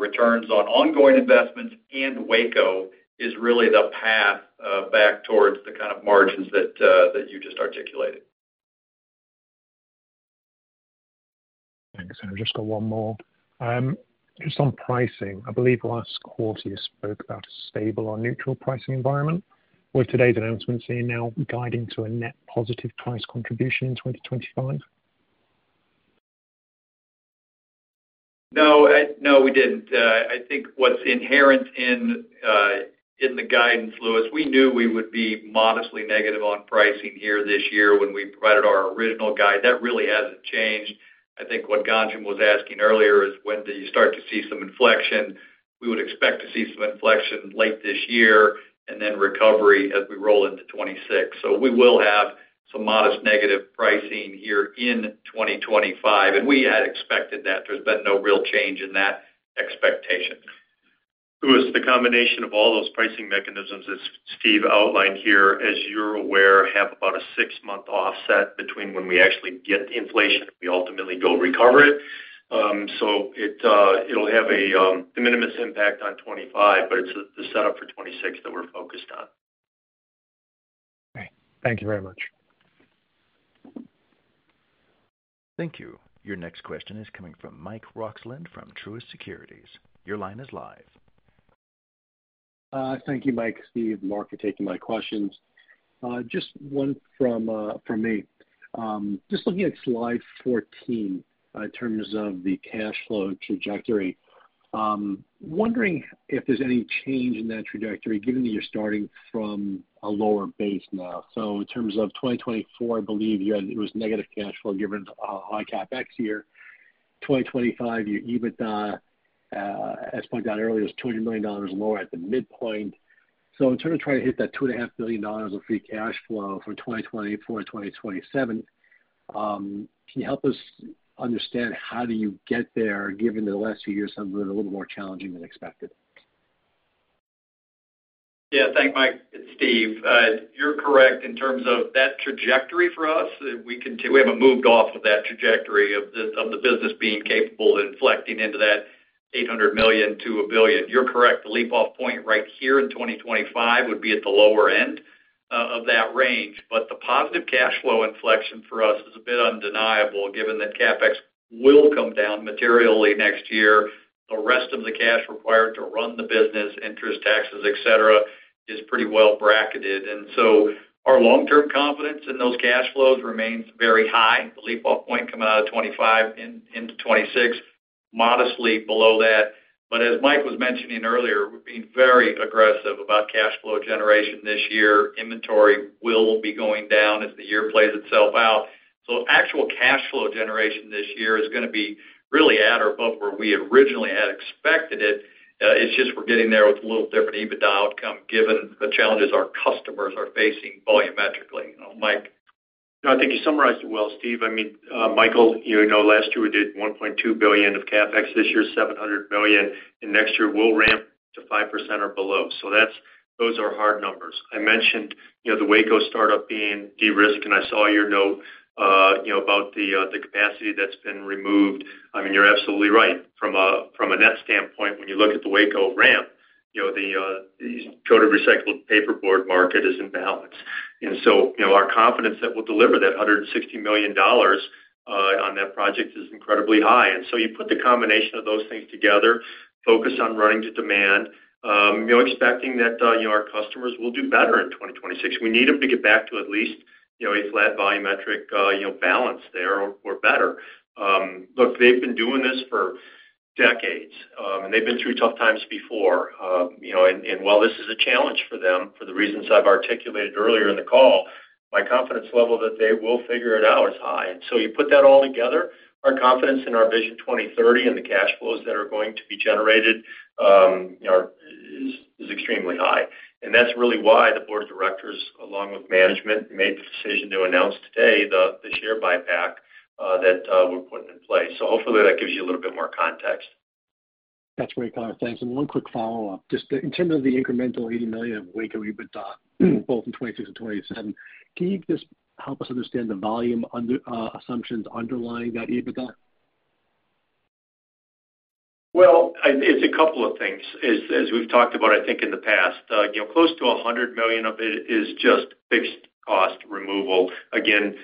D: returns on ongoing investments and Waco is really the path back towards the kind of margins that you just articulated.
I: Thanks. Just one more. Just on pricing, I believe last quarter you spoke about a stable or neutral pricing environment. Was today's announcement seen now guiding to a net positive price contribution in 2025?
D: No. No, we did not. I think what is inherent in the guidance, Lewis, we knew we would be modestly negative on pricing here this year when we provided our original guide. That really has not changed. I think what Ghansham was asking earlier is, "When do you start to see some inflection?" We would expect to see some inflection late this year and then recovery as we roll into 2026. We will have some modest negative pricing here in 2025. We had expected that. There has been no real change in that expectation.
C: Lewis, the combination of all those pricing mechanisms that Steve outlined here, as you are aware, have about a six-month offset between when we actually get the inflation and we ultimately go recover it. It will have a minimus impact on 2025, but it is the setup for 2026 that we are focused on.
I: Okay. Thank you very much.
A: Thank you. Your next question is coming from Mike Roxland from Truist Securities. Your line is live.
J: Thank you, Mike, Steve, Mark, for taking my questions. Just one from me. Just looking at Slide 14 in terms of the cash flow trajectory, wondering if there's any change in that trajectory given that you're starting from a lower base now. In terms of 2024, I believe it was negative cash flow given high CapEx here. For 2025, your EBITDA, as pointed out earlier, was $200 million lower at the midpoint. In terms of trying to hit that $2.5 billion of free cash flow from 2024 to 2027, can you help us understand how you get there given the last few years have been a little more challenging than expected?
D: Thank you, Mike. It's Steve. You're correct. In terms of that trajectory for us, we have moved off of that trajectory of the business being capable of inflecting into that $800 million-$1 billion. You're correct. The leap-off point right here in 2025 would be at the lower end of that range. The positive cash flow inflection for us is a bit undeniable given that CapEx will come down materially next year. The rest of the cash required to run the business, interest, taxes, etc., is pretty well bracketed. Our long-term confidence in those cash flows remains very high. The leap-off point coming out of 2025 into 2026, modestly below that. As Mike was mentioning earlier, we've been very aggressive about cash flow generation this year. Inventory will be going down as the year plays itself out. Actual cash flow generation this year is going to be really at or above where we originally had expected it. It's just we're getting there with a little different EBITDA outcome given the challenges our customers are facing volumetrically. Mike.
C: No, I think you summarized it well, Steve. I mean, Michael, last year we did $1.2 billion of CapEx. This year, $700 million. Next year, we'll ramp to 5% or below. Those are hard numbers. I mentioned the Waco startup being de-risked. I saw your note about the capacity that's been removed. You're absolutely right. From a net standpoint, when you look at the Waco ramp, the go-to recycled paperboard market is in balance. Our confidence that we'll deliver that $160 million on that project is incredibly high. You put the combination of those things together, focus on running to demand, expecting that our customers will do better in 2026. We need them to get back to at least a flat volumetric balance there or better. Look, they've been doing this for decades. They've been through tough times before. While this is a challenge for them, for the reasons I've articulated earlier in the call, my confidence level that they will figure it out is high. You put that all together, our confidence in our Vision 2030 and the cash flows that are going to be generated is extremely high. That is really why the board of directors, along with management, made the decision to announce today the share buyback that we're putting in place. Hopefully, that gives you a little bit more context.
J: That's great, Connor. Thanks. One quick follow-up. Just in terms of the incremental $80 million of Waco EBITDA, both in 2026 and 2027, can you just help us understand the volume assumptions underlying that EBITDA?
C: It's a couple of things. As we've talked about, I think in the past, close to $100 million of it is just fixed cost removal. Again,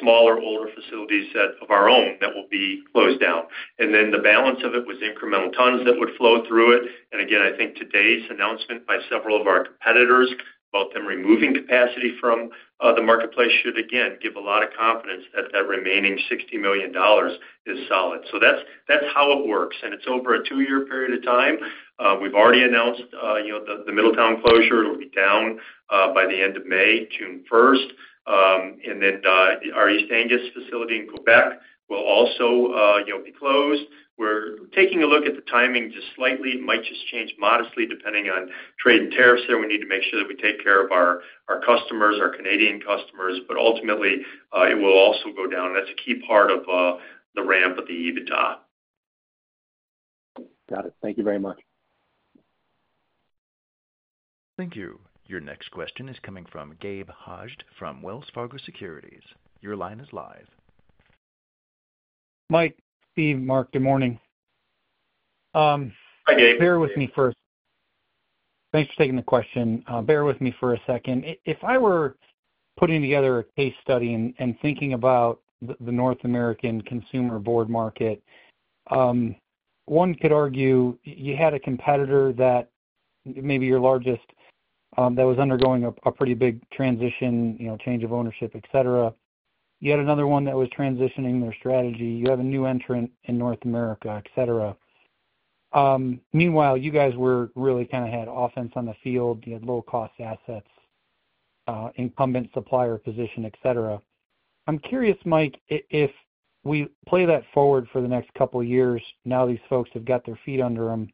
C: smaller, older facilities of our own that will be closed down. The balance of it was incremental tons that would flow through it. I think today's announcement by several of our competitors, both them removing capacity from the marketplace, should, again, give a lot of confidence that that remaining $60 million is solid. That's how it works. It's over a two-year period of time. We've already announced the Middletown closure. It'll be down by the end of May, June 1. Our East Angus facility in Quebec will also be closed. We're taking a look at the timing just slightly. It might just change modestly depending on trade and tariffs there. We need to make sure that we take care of our customers, our Canadian customers. Ultimately, it will also go down. That's a key part of the ramp of the EBITDA.
J: Got it. Thank you very much.
A: Thank you. Your next question is coming from Gabe Hajde from Wells Fargo Securities. Your line is live.
K: Mike, Steve, Mark, good morning.
D: Hi, Gabe.
K: Bear with me for a second. Thanks for taking the question. Bear with me for a second. If I were putting together a case study and thinking about the North American consumer board market, one could argue you had a competitor that maybe your largest that was undergoing a pretty big transition, change of ownership, etc. You had another one that was transitioning their strategy. You have a new entrant in North America, etc. Meanwhile, you guys were really kind of had offense on the field. You had low-cost assets, incumbent supplier position, etc. I'm curious, Mike, if we play that forward for the next couple of years, now these folks have got their feet under them,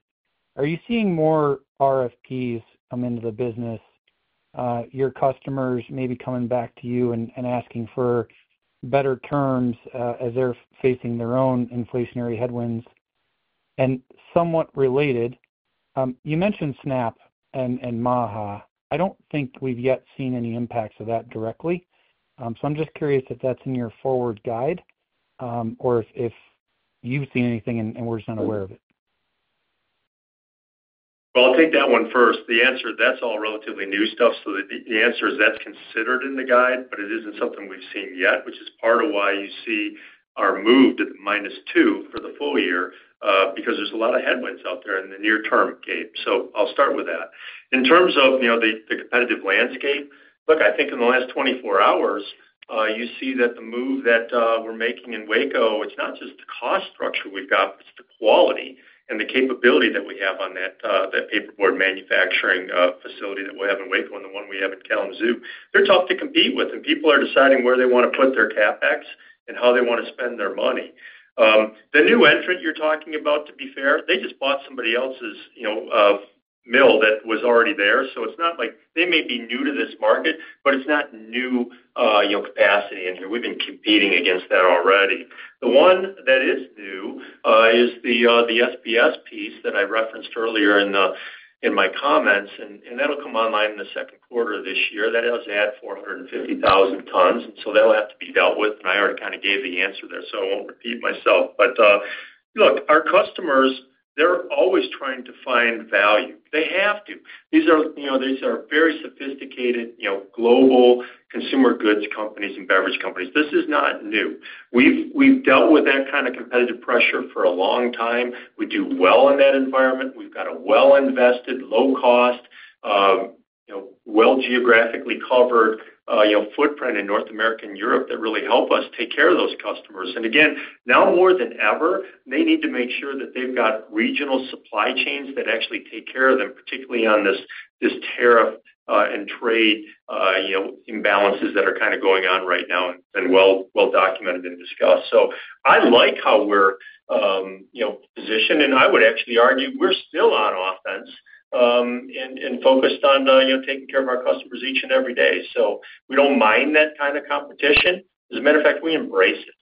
K: are you seeing more RFPs come into the business, your customers maybe coming back to you and asking for better terms as they're facing their own inflationary headwinds? Somewhat related, you mentioned SNAP and MAHA. I don't think we've yet seen any impacts of that directly. I'm just curious if that's in your forward guide or if you've seen anything and we're just unaware of it.
C: I'll take that one first. The answer, that's all relatively new stuff. The answer is that's considered in the guide, but it isn't something we've seen yet, which is part of why you see our move to the minus two for the full year because there's a lot of headwinds out there in the near term, Gabe. I'll start with that. In terms of the competitive landscape, look, I think in the last 24 hours, you see that the move that we're making in Waco, it's not just the cost structure we've got, but it's the quality and the capability that we have on that paperboard manufacturing facility that we have in Waco and the one we have in Kalamazoo. They're tough to compete with, and people are deciding where they want to put their CapEx and how they want to spend their money. The new entrant you're talking about, to be fair, they just bought somebody else's mill that was already there. It is not like they may be new to this market, but it is not new capacity in here. We've been competing against that already. The one that is new is the SBS piece that I referenced earlier in my comments, and that will come online in the second quarter of this year. That does add 450,000 tons. That will have to be dealt with. I already kind of gave the answer there, so I will not repeat myself. Look, our customers, they are always trying to find value. They have to. These are very sophisticated global consumer goods companies and beverage companies. This is not new. We've dealt with that kind of competitive pressure for a long time. We do well in that environment. We've got a well-invested, low-cost, well-geographically covered footprint in North America and Europe that really help us take care of those customers. Now more than ever, they need to make sure that they've got regional supply chains that actually take care of them, particularly on this tariff and trade imbalances that are kind of going on right now and well-documented and discussed. I like how we're positioned. I would actually argue we're still on offense and focused on taking care of our customers each and every day. We do not mind that kind of competition. As a matter of fact, we embrace it.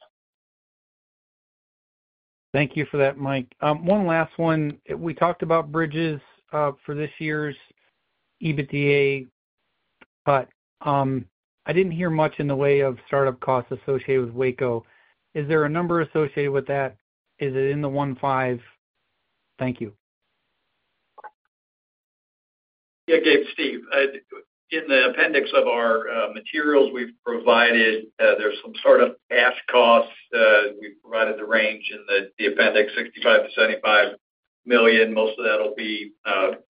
K: Thank you for that, Mike. One last one. We talked about bridges for this year's EBITDA cut. I did not hear much in the way of startup costs associated with Waco. Is there a number associated with that? Is it in the 1.5? Thank you.
D: Yeah, Gabe it's Steve. In the appendix of our materials we've provided, there's some sort of cash costs. We've provided the range in the appendix, $65 million-$75 million. Most of that will be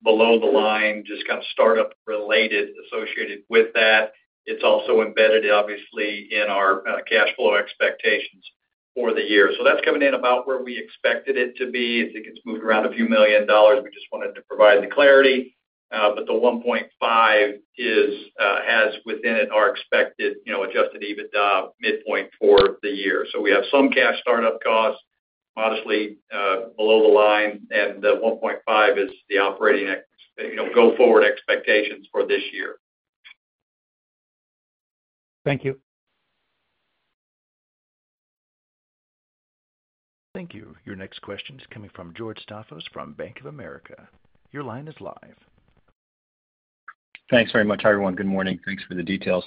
D: below the line, just kind of startup-related associated with that. It's also embedded, obviously, in our cash flow expectations for the year. That's coming in about where we expected it to be. I think it's moved around a few million dollars. We just wanted to provide the clarity. The $1.5 billion has within it our expected adjusted EBITDA midpoint for the year. We have some cash startup costs modestly below the line. The $1.5 billion is the operating go forward expectations for this year.
A: Thank you. Thank you. Your next question is coming from George Staphos from Bank of America. Your line is live.
L: Thanks very much, everyone. Good morning. Thanks for the details.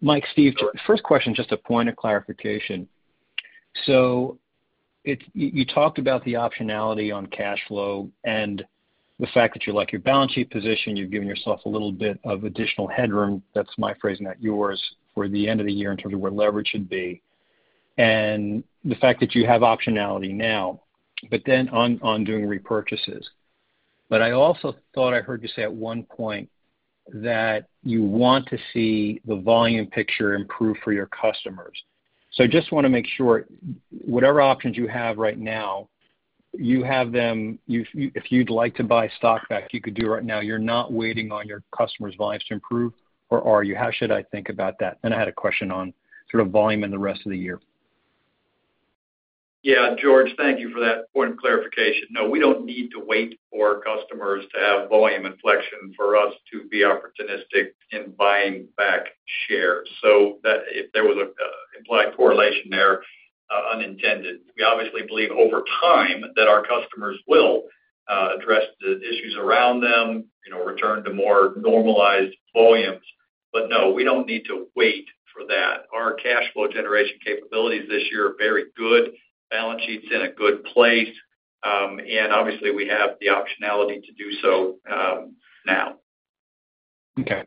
L: Mike, Steve, first question, just a point of clarification. You talked about the optionality on cash flow and the fact that you like your balance sheet position. You've given yourself a little bit of additional headroom. That's my phrasing, not yours, for the end of the year in terms of where leverage should be and the fact that you have optionality now, but then on doing repurchases. I also thought I heard you say at one point that you want to see the volume picture improve for your customers. I just want to make sure whatever options you have right now, you have them. If you'd like to buy stock back, you could do it right now. You're not waiting on your customers' volumes to improve, or are you? How should I think about that? I had a question on sort of volume in the rest of the year.
D: Yeah, George, thank you for that point of clarification. No, we do not need to wait for customers to have volume inflection for us to be opportunistic in buying back shares. There was an implied correlation there, unintended. We obviously believe over time that our customers will address the issues around them, return to more normalized volumes. No, we do not need to wait for that. Our cash flow generation capabilities this year are very good. Balance sheet is in a good place. We have the optionality to do so now. Okay.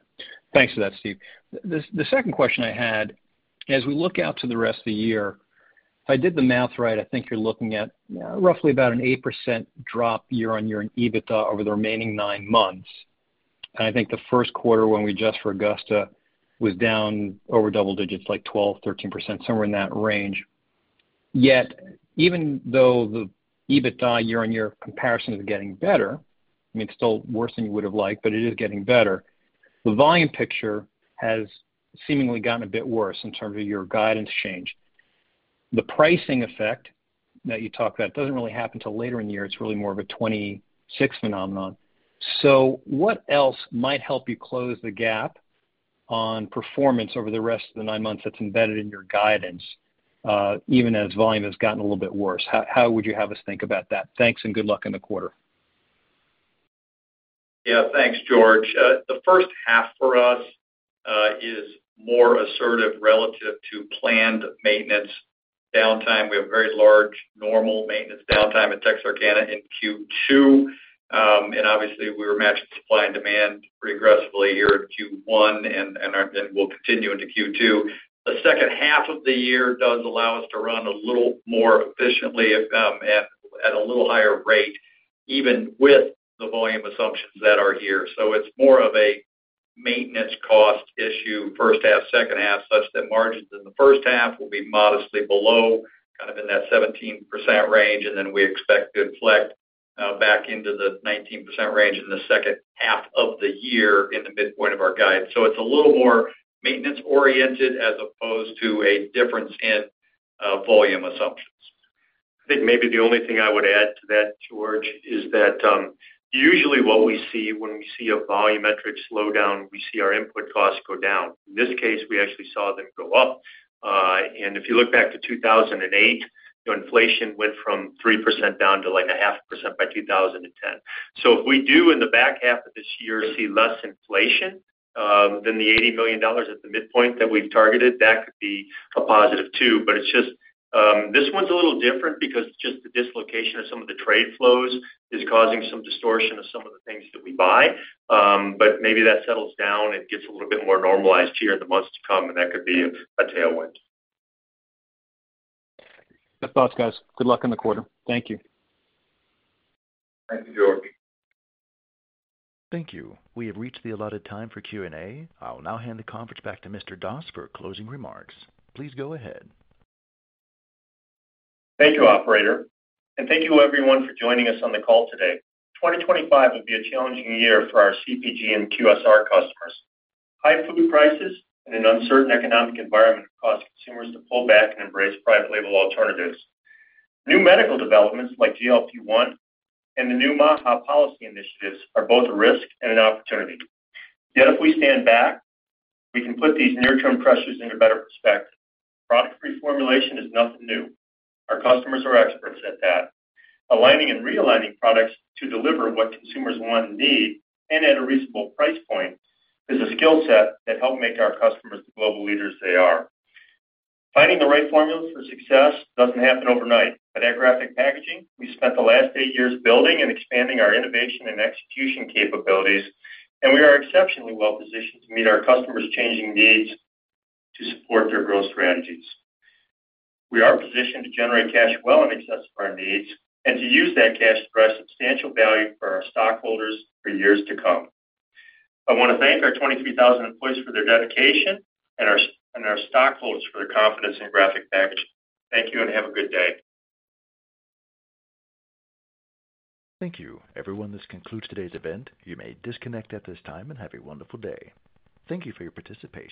L: Thanks for that, Steve. The second question I had, as we look out to the rest of the year, if I did the math right, I think you're looking at roughly about an 8% drop year-on-year in EBITDA over the remaining nine months. I think the first quarter when we adjust for Augusta was down over double digits, like 12%-13%, somewhere in that range. Yet, even though the EBITDA year-on-year comparison is getting better, I mean, it's still worse than you would have liked, but it is getting better. The volume picture has seemingly gotten a bit worse in terms of your guidance change. The pricing effect that you talked about doesn't really happen until later in the year. It's really more of a 2026 phenomenon. What else might help you close the gap on performance over the rest of the nine months that's embedded in your guidance, even as volume has gotten a little bit worse? How would you have us think about that? Thanks and good luck in the quarter.
D: Yeah, thanks, George. The first half for us is more assertive relative to planned maintenance downtime. We have a very large normal maintenance downtime at Texarkana, Q2. Obviously, we were matching supply and demand pretty aggressively here in Q1 and will continue into Q2. The second half of the year does allow us to run a little more efficiently at a little higher rate, even with the volume assumptions that are here. It is more of a maintenance cost issue, first half, second half, such that margins in the first half will be modestly below, kind of in that 17% range. We expect to inflect back into the 19% range in the second half of the year in the midpoint of our guide. It is a little more maintenance-oriented as opposed to a difference in volume assumptions. I think maybe the only thing I would add to that, George, is that usually what we see when we see a volumetric slowdown, we see our input costs go down. In this case, we actually saw them go up. If you look back to 2008, inflation went from 3% down to like a half percent by 2010. If we do in the back half of this year see less inflation than the $80 million at the midpoint that we have targeted, that could be a positive too.It is just this one's a little different because just the dislocation of some of the trade flows is causing some distortion of some of the things that we buy. Maybe that settles down and gets a little bit more normalized here in the months to come, and that could be a tailwind.
L: That is all, guys. Good luck in the quarter. Thank you.
A: Thank you. We have reached the allotted time for Q&A. I will now hand the conference back to Mr. Doss for closing remarks. Please go ahead.
C: Thank you, Operator. And thank you, everyone, for joining us on the call today. 2025 will be a challenging year for our CPG and QSR customers. High food prices and an uncertain economic environment have caused consumers to pull back and embrace private label alternatives. New medical developments like GLP-1 and the new Maha policy initiatives are both a risk and an opportunity. Yet if we stand back, we can put these near-term pressures into better perspective. Product reformulation is nothing new. Our customers are experts at that. Aligning and realigning products to deliver what consumers want and need and at a reasonable price point is a skill set that helps make our customers the global leaders they are. Finding the right formulas for success doesn't happen overnight. At Graphic Packaging Holding Company, we spent the last eight years building and expanding our innovation and execution capabilities, and we are exceptionally well-positioned to meet our customers' changing needs to support their growth strategies. We are positioned to generate cash well in excess of our needs and to use that cash to drive substantial value for our stockholders for years to come. I want to thank our 23,000 employees for their dedication and our stockholders for their confidence in Graphic Packaging Holding Company. Thank you and have a good day.
A: Thank you. Everyone, this concludes today's event. You may disconnect at this time and have a wonderful day. Thank you for your participation.